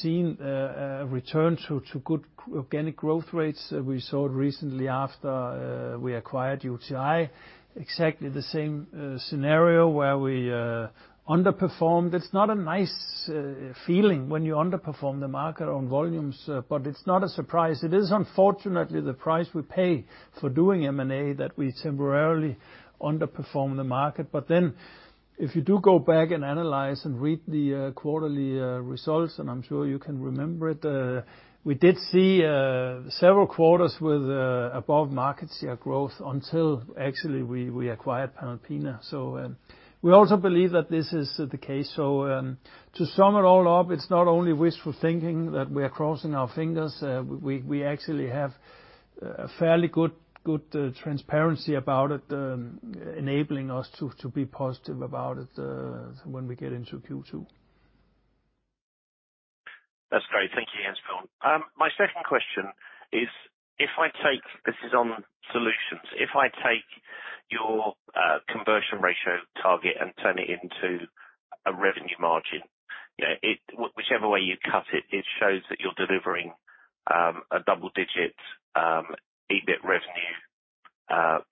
seen a return to good organic growth rates. We saw it recently after we acquired UTi, exactly the same scenario where we underperformed. It's not a nice feeling when you underperform the market on volumes, but it's not a surprise. It is unfortunately the price we pay for doing M&A that we temporarily underperform the market. If you do go back and analyze and read the quarterly results, and I'm sure you can remember it, we did see several quarters with above-market share growth until actually we acquired Panalpina. We also believe that this is the case. To sum it all up, it's not only wishful thinking that we are crossing our fingers. We actually have. A fairly good transparency about it, enabling us to be positive about it when we get into Q2. That's great. Thank you, Jens Bjørn. My second question is, this is on Solutions, if I take your conversion ratio target and turn it into a revenue margin, whichever way you cut it shows that you're delivering a double-digit EBIT revenue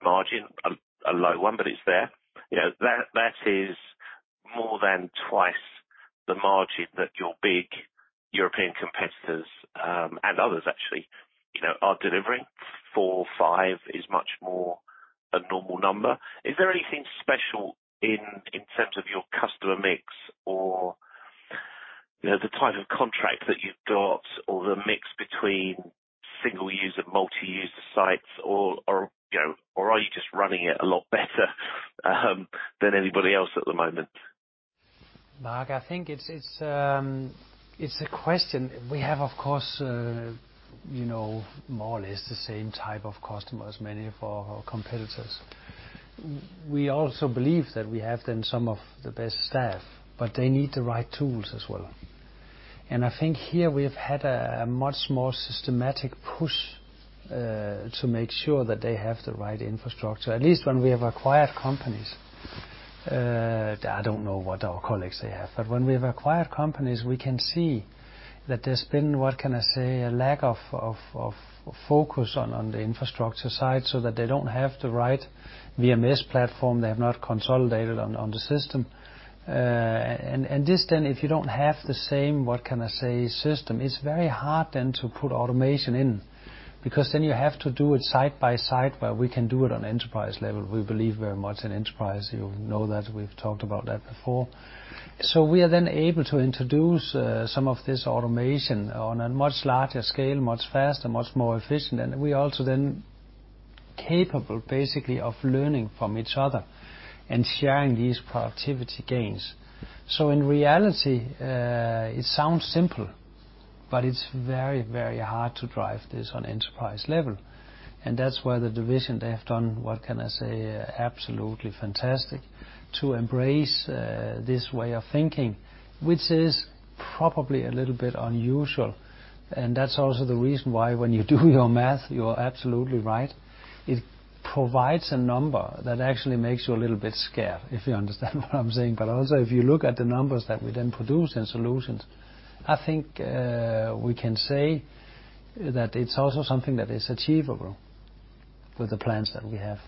margin. A low one, but it's there. That is more than twice the margin that your big European competitors, and others actually, are delivering. Four or five is much more a normal number. Is there anything special in terms of your customer mix, or the type of contract that you've got, or the mix between single-user, multi-user sites, or are you just running it a lot better than anybody else at the moment? Mark, I think it's a question. We have, of course, more or less the same type of customers, many of our competitors. We also believe that we have then some of the best staff, but they need the right tools as well. I think here we have had a much more systematic push to make sure that they have the right infrastructure, at least when we have acquired companies. I don't know what our colleagues they have. When we have acquired companies, we can see that there's been, what can I say, a lack of focus on the infrastructure side so that they don't have the right WMS platform. They have not consolidated on the system. This then, if you don't have the same, what can I say, system, it's very hard then to put automation in, because then you have to do it side by side, but we can do it on enterprise level. We believe very much in enterprise. You know that. We've talked about that before. So we are then able to introduce some of this automation on a much larger scale, much faster, much more efficient. We're also then capable, basically, of learning from each other and sharing these productivity gains. So in reality, it sounds simple, but it's very, very hard to drive this on enterprise level. That's why the division, they have done, what can I say, absolutely fantastic to embrace this way of thinking, which is probably a little bit unusual. That's also the reason why when you do your math, you're absolutely right. It provides a number that actually makes you a little bit scared, if you understand what I'm saying. Also, if you look at the numbers that we then produce in Solutions, I think we can say that it's also something that is achievable with the plans that we have.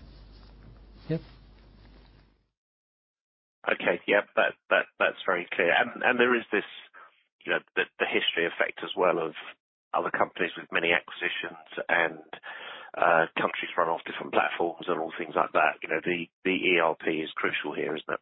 Yep. Okay. Yeah, that's very clear. There is this, the history effect as well of other companies with many acquisitions and countries run off different platforms and all things like that. The ERP is crucial here, isn't it?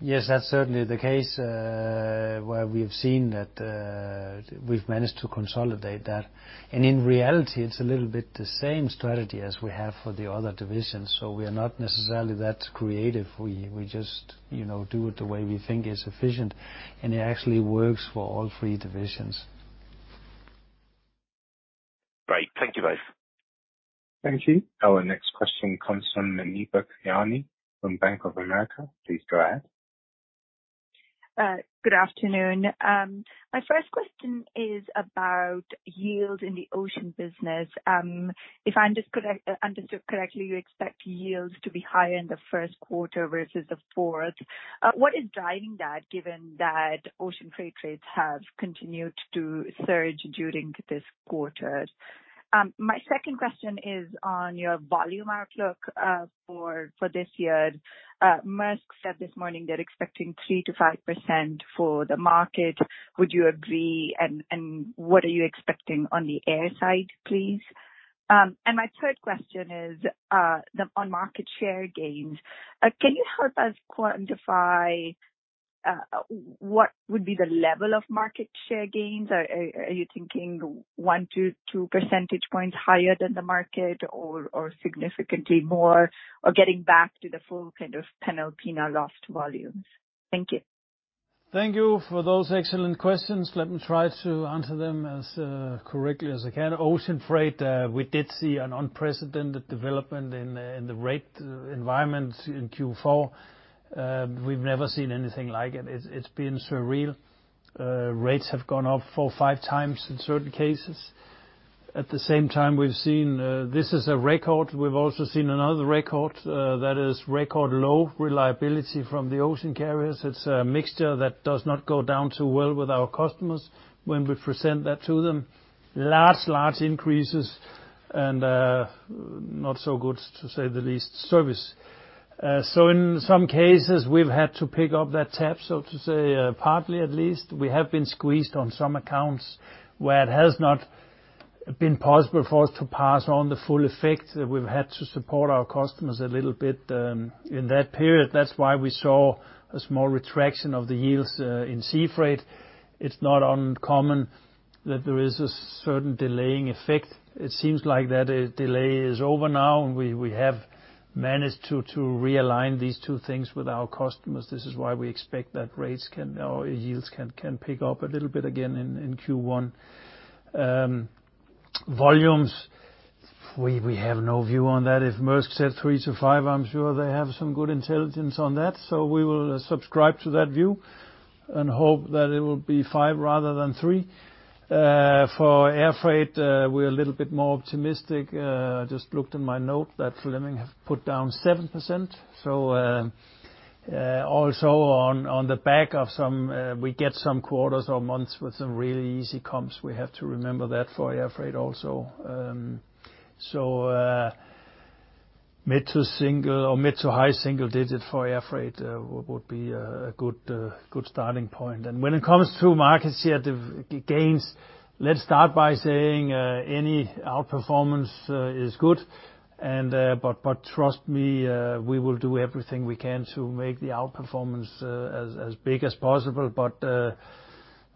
Yes, that's certainly the case, where we've seen that we've managed to consolidate that. In reality, it's a little bit the same strategy as we have for the other divisions. We are not necessarily that creative. We just do it the way we think is efficient, and it actually works for all three divisions. Great. Thank you, guys. Thank you. Our next question comes from Muneeba Kayani from Bank of America. Please go ahead. Good afternoon. My first question is about yield in the ocean business. If I understood correctly, you expect yields to be higher in the first quarter versus the fourth. What is driving that, given that ocean freight rates have continued to surge during this quarter? My second question is on your volume outlook for this year. Maersk said this morning they're expecting 3%-5% for the market. Would you agree, and what are you expecting on the air side, please? My third question is on market share gains. Can you help us quantify what would be the level of market share gains? Are you thinking 1 to 2 percentage points higher than the market, or significantly more, or getting back to the full kind of Panalpina lost volumes? Thank you. Thank you for those excellent questions. Let me try to answer them as correctly as I can. Ocean freight, we did see an unprecedented development in the rate environment in Q4. We've never seen anything like it. It's been surreal. Rates have gone up four or five times in certain cases. At the same time, we've seen this is a record. We've also seen another record, that is record low reliability from the ocean carriers. It's a mixture that does not go down too well with our customers when we present that to them. Large increases and not so good, to say the least, service. In some cases, we've had to pick up that tab, so to say, partly at least. We have been squeezed on some accounts where it has not been possible for us to pass on the full effect. We've had to support our customers a little bit in that period. That's why we saw a small retraction of the yields in sea freight. It's not uncommon that there is a certain delaying effect. It seems like that delay is over now, and we have managed to realign these two things with our customers. This is why we expect that yields can pick up a little bit again in Q1. Volumes, we have no view on that. If Maersk said 3%-5%, I'm sure they have some good intelligence on that. We will subscribe to that view and hope that it will be 5% rather than 3%. For air freight, we're a little bit more optimistic. Just looked at my note, that Flemming have put down 7%. Also on the back of some, we get some quarters or months with some really easy comps. We have to remember that for air freight also. Mid to high single digit for air freight would be a good starting point. When it comes to market share gains, let's start by saying, any outperformance is good. Trust me, we will do everything we can to make the outperformance as big as possible.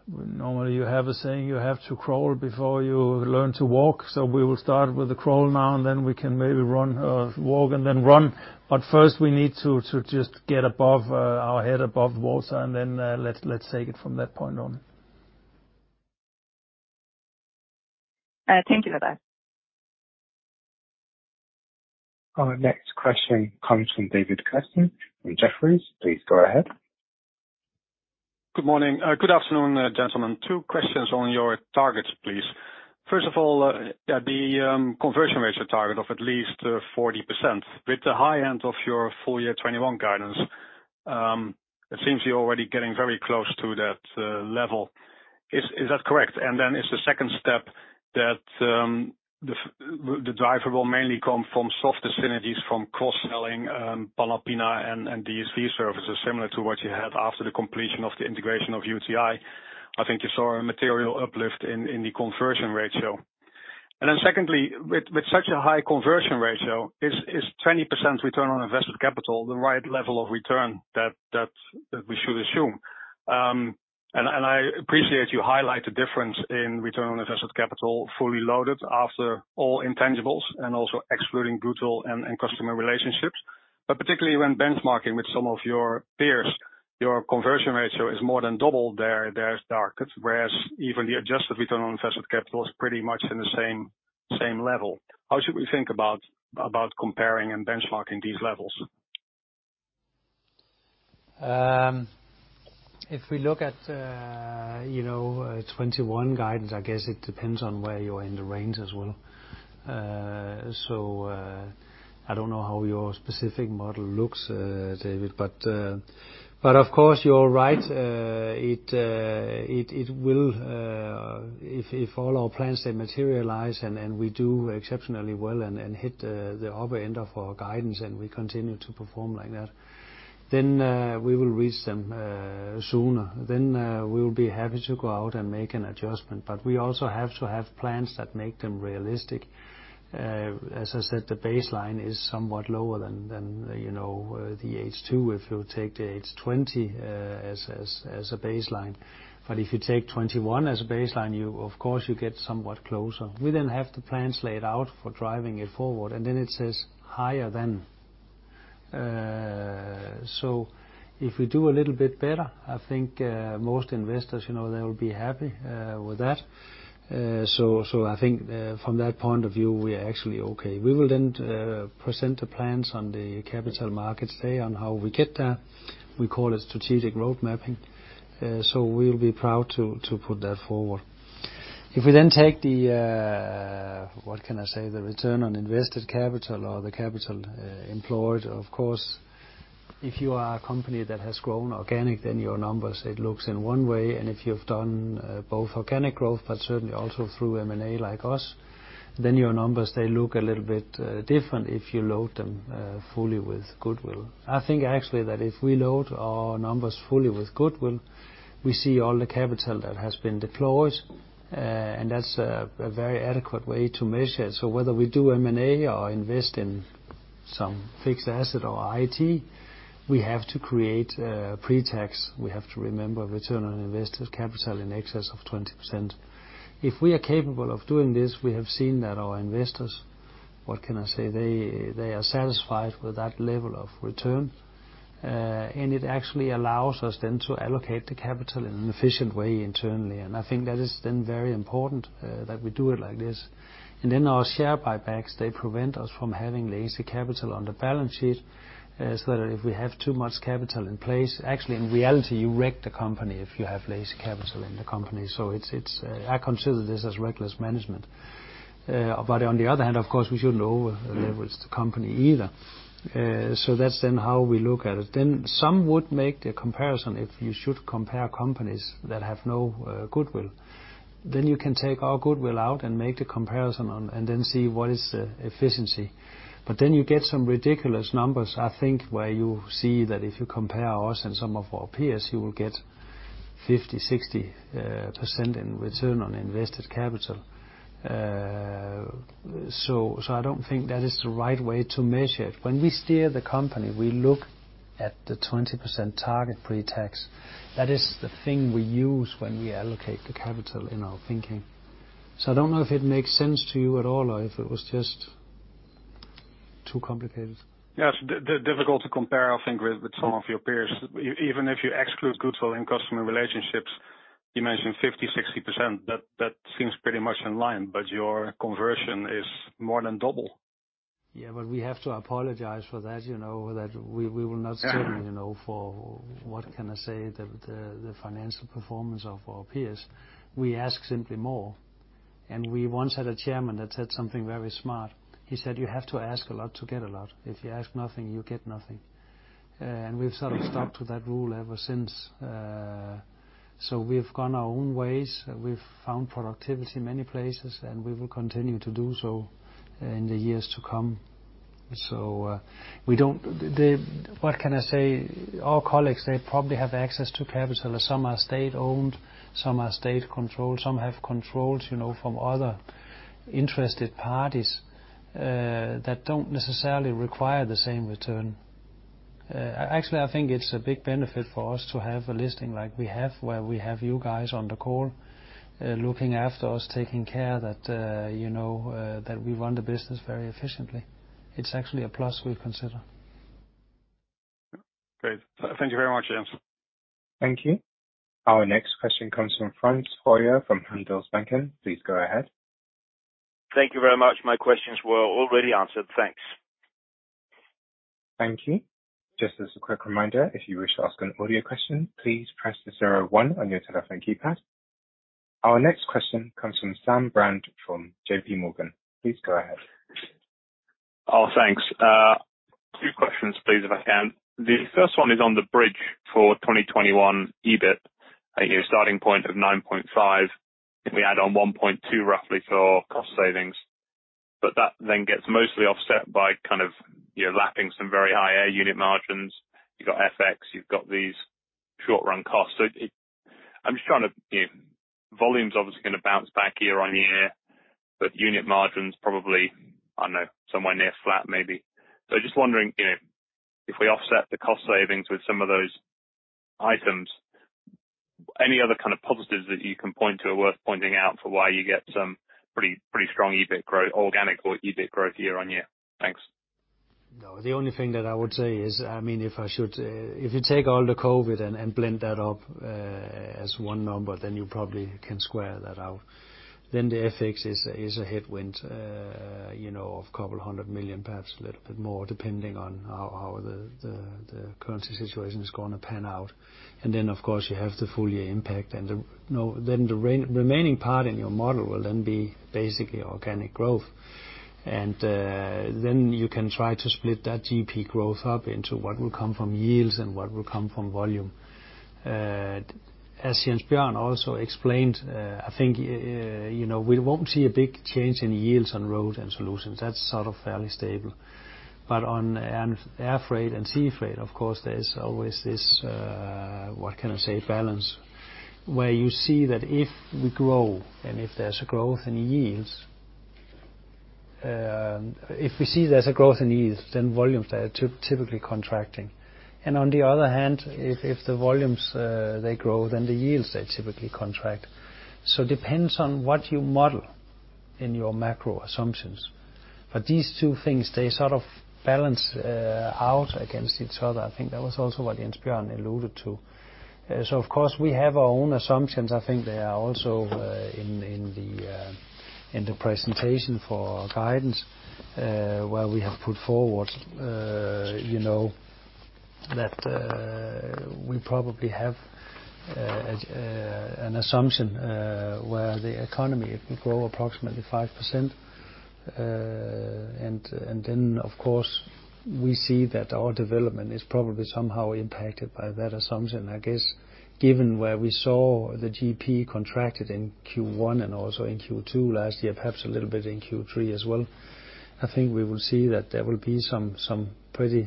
Normally you have a saying, you have to crawl before you learn to walk. We will start with the crawl now, and then we can maybe walk, and then run. First we need to just get above our head, above water, and then let's take it from that point on. Thank you, Jens. Our next question comes from David Kerstens from Jefferies. Please go ahead. Good morning. Good afternoon, gentlemen. Two questions on your targets, please. The conversion ratio target of at least 40%. With the high end of your full year 2021 guidance, it seems you're already getting very close to that level. Is that correct? Is the second step that the driver will mainly come from soft synergies from cross-selling Panalpina and DSV services, similar to what you had after the completion of the integration of UTi, I think you saw a material uplift in the conversion ratio. Secondly, with such a high conversion ratio, is 20% return on invested capital the right level of return that we should assume? I appreciate you highlight the difference in return on invested capital fully loaded after all intangibles and also excluding goodwill and customer relationships. Particularly when benchmarking with some of your peers, your conversion ratio is more than double their start. Whereas even the adjusted return on invested capital is pretty much in the same level. How should we think about comparing and benchmarking these levels? If we look at 2021 guidance, I guess it depends on where you are in the range as well. I don't know how your specific model looks, David. Of course you're right. If all our plans, they materialize and we do exceptionally well and hit the upper end of our guidance and we continue to perform like that, then we will reach them sooner. We'll be happy to go out and make an adjustment. We also have to have plans that make them realistic. As I said, the baseline is somewhat lower than the H2, if you take the H2020 as a baseline. If you take 2021 as a baseline, of course you get somewhat closer. We then have the plans laid out for driving it forward, and then it says higher than. If we do a little bit better, I think most investors, they'll be happy with that. I think from that point of view, we are actually okay. We will then present the plans on the capital markets day on how we get there. We call it Strategic Road Mapping. We'll be proud to put that forward. If we then take the, what can I say, the return on invested capital or the capital employed, of course, if you are a company that has grown organic, then your numbers, it looks in one way. If you've done both organic growth, but certainly also through M&A like us, then your numbers, they look a little bit different if you load them fully with goodwill. I think actually that if we load our numbers fully with goodwill, we see all the capital that has been deployed, and that's a very adequate way to measure it. Whether we do M&A or invest in some fixed asset or IT, we have to create pre-tax. We have to remember return on invested capital in excess of 20%. If we are capable of doing this, we have seen that our investors, what can I say? They are satisfied with that level of return. It actually allows us then to allocate the capital in an efficient way internally. I think that is then very important that we do it like this. Our share buybacks, they prevent us from having lazy capital on the balance sheet, so that if we have too much capital in place, actually in reality, you wreck the company if you have lazy capital in the company. I consider this as reckless management. On the other hand, of course, we shouldn't over-leverage the company either. That's how we look at it. Some would make the comparison, if you should compare companies that have no goodwill, then you can take all goodwill out and make the comparison and then see what is the efficiency. You get some ridiculous numbers, I think, where you see that if you compare us and some of our peers, you will get 50%, 60% in return on invested capital. I don't think that is the right way to measure it. When we steer the company, we look at the 20% target pre-tax. That is the thing we use when we allocate the capital in our thinking. I don't know if it makes sense to you at all. Too complicated. Yes. Difficult to compare, I think, with some of your peers. Even if you exclude goodwill and customer relationships, you mentioned 50%, 60%. That seems pretty much in line, but your conversion is more than double. Yeah. We have to apologize for that. We will not settle for, what can I say, the financial performance of our peers. We ask simply more. We once had a chairman that said something very smart. He said, "You have to ask a lot to get a lot. If you ask nothing, you get nothing." We've sort of stuck to that rule ever since. We've gone our own ways. We've found productivity in many places, and we will continue to do so in the years to come. What can I say? Our colleagues, they probably have access to capital, some are state-owned, some are state-controlled, some have controls from other interested parties, that don't necessarily require the same return. Actually, I think it's a big benefit for us to have a listing like we have, where we have you guys on the call, looking after us, taking care that we run the business very efficiently. It's actually a plus we consider. Great. Thank you very much, Jens. Thank you. Our next question comes from Frans Hoyer from Handelsbanken. Please go ahead. Thank you very much. My questions were already answered. Thanks. Thank you. Just as a quick reminder, if you wish to ask an audio question, please press the zero one on your telephone keypad. Our next question comes from Sam Bland, from JPMorgan. Please go ahead. Thanks. Two questions, please, if I can. The first one is on the bridge for 2021 EBIT. I hear a starting point of 9.5 if we add on 1.2 roughly for cost savings. That then gets mostly offset by you're lapping some very high air unit margins. You've got FX, you've got these short-run costs. Volume's obviously going to bounce back year-over-year. Unit margins probably somewhere near flat maybe. Just wondering, if we offset the cost savings with some of those items, any other positives that you can point to or worth pointing out for why you get some pretty strong organic or EBIT growth year-over-year? Thanks. No. The only thing that I would say is, if you take all the COVID-19 and blend that up as one number, then you probably can square that out. The FX is a headwind, of DKK couple hundred million, perhaps a little bit more, depending on how the currency situation is going to pan out. Of course, you have the full year impact and then the remaining part in your model will then be basically organic growth. You can try to split that GP growth up into what will come from yields and what will come from volume. As Jens Bjørn also explained, I think, we won't see a big change in yields on Road and Solutions. That's sort of fairly stable. On air freight and sea freight, of course, there is always this, what can I say, balance, where you see that if we grow and if there is a growth in yields, then volumes are typically contracting. On the other hand, if the volumes grow, then the yields, they typically contract. Depends on what you model in your macro assumptions. These two things, they sort of balance out against each other. I think that was also what Jens Bjørn alluded to. Of course, we have our own assumptions. I think they are also in the presentation for our guidance, where we have put forward that we probably have an assumption where the economy, it will grow approximately 5%. Then, of course, we see that our development is probably somehow impacted by that assumption. I guess, given where we saw the GP contracted in Q1 and also in Q2 last year, perhaps a little bit in Q3 as well, I think we will see that there will be some pretty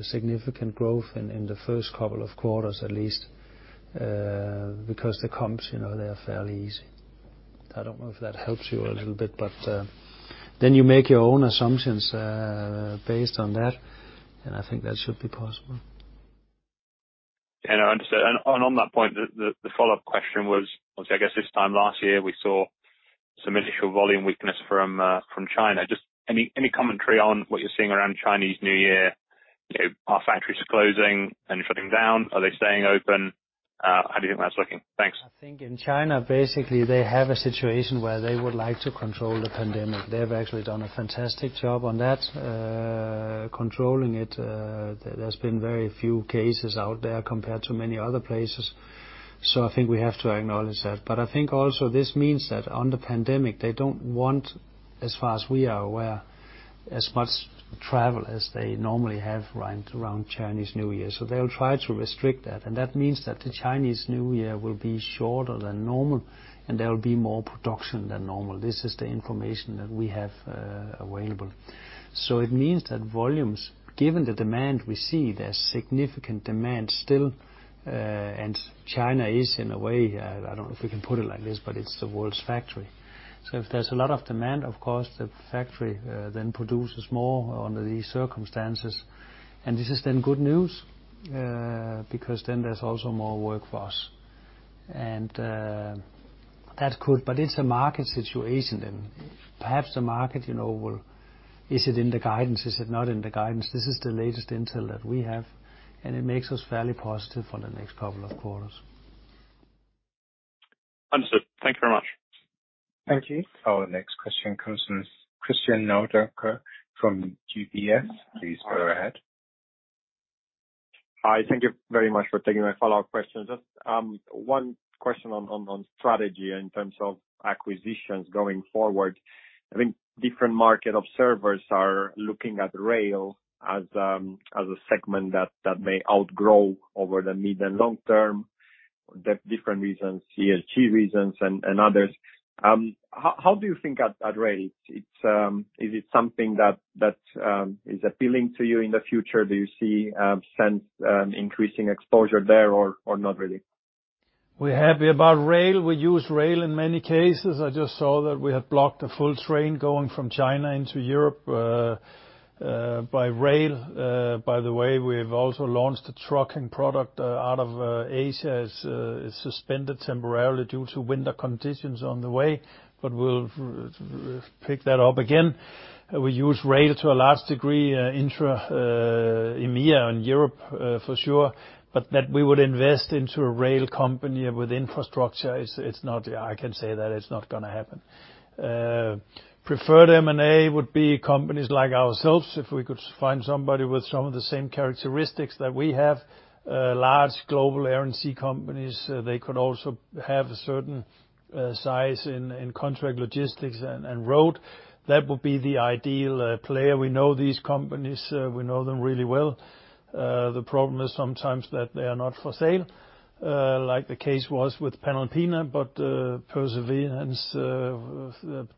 significant growth in the first couple of quarters at least, because the comps, they are fairly easy. I don't know if that helps you a little bit, but then you make your own assumptions based on that, and I think that should be possible. Yeah, I understand. On that point, the follow-up question was, obviously, I guess this time last year we saw some initial volume weakness from China. Just any commentary on what you're seeing around Chinese New Year? Are factories closing and shutting down? Are they staying open? How do you think that's looking? Thanks. I think in China, basically, they have a situation where they would like to control the pandemic. They have actually done a fantastic job on that, controlling it. There's been very few cases out there compared to many other places. I think we have to acknowledge that. I think also this means that on the pandemic, they don't want, as far as we are aware, as much travel as they normally have around Chinese New Year. They'll try to restrict that. That means that the Chinese New Year will be shorter than normal, and there will be more production than normal. This is the information that we have available. It means that volumes, given the demand we see, there's significant demand still. China is, in a way, I don't know if we can put it like this, but it's the world's factory. If there's a lot of demand, of course, the factory then produces more under these circumstances. This is then good news, because then there's also more work for us. Is it in the guidance? Is it not in the guidance? This is the latest intel that we have, and it makes us fairly positive for the next couple of quarters. Understood. Thank you very much. Thank you. Our next question comes from Cristian Nedelcu from UBS. Please go ahead. Hi. Thank you very much for taking my follow-up questions. Just one question on strategy in terms of acquisitions going forward. I think different market observers are looking at rail as a segment that may outgrow over the mid and long term, the different reasons, ESG reasons and others. How do you think at rail? Is it something that is appealing to you in the future? Do you see sense increasing exposure there or not really? We're happy about rail. We use rail in many cases. I just saw that we have blocked a full train going from China into Europe by rail. We've also launched a trucking product out of Asia. It's suspended temporarily due to winter conditions on the way. We'll pick that up again. We use rail to a large degree intra-EMEA and Europe for sure. That we would invest into a rail company with infrastructure, I can say that it's not going to happen. Preferred M&A would be companies like ourselves, if we could find somebody with some of the same characteristics that we have, large global Air & Sea companies. They could also have a certain size in contract logistics and Road. That would be the ideal player. We know these companies. We know them really well. The problem is sometimes that they are not for sale, like the case was with Panalpina, but perseverance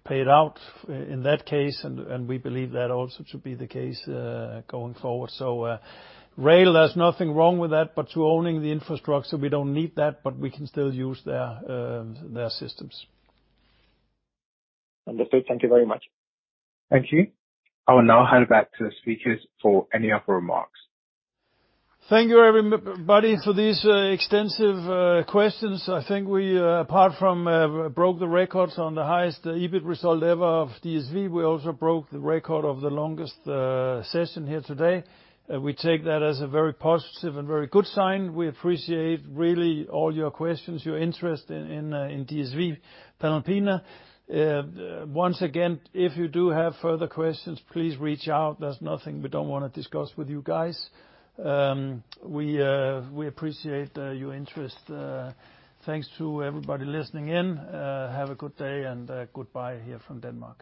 paid out in that case, and we believe that also to be the case going forward. Rail, there's nothing wrong with that, but to owning the infrastructure, we don't need that, but we can still use their systems. Understood. Thank you very much. Thank you. I will now hand back to the speakers for any other remarks. Thank you, everybody, for these extensive questions. I think we, apart from broke the records on the highest EBIT result ever of DSV, we also broke the record of the longest session here today. We take that as a very positive and very good sign. We appreciate really all your questions, your interest in DSV Panalpina. Once again, if you do have further questions, please reach out. There's nothing we don't want to discuss with you guys. We appreciate your interest. Thanks to everybody listening in. Have a good day, and goodbye here from Denmark.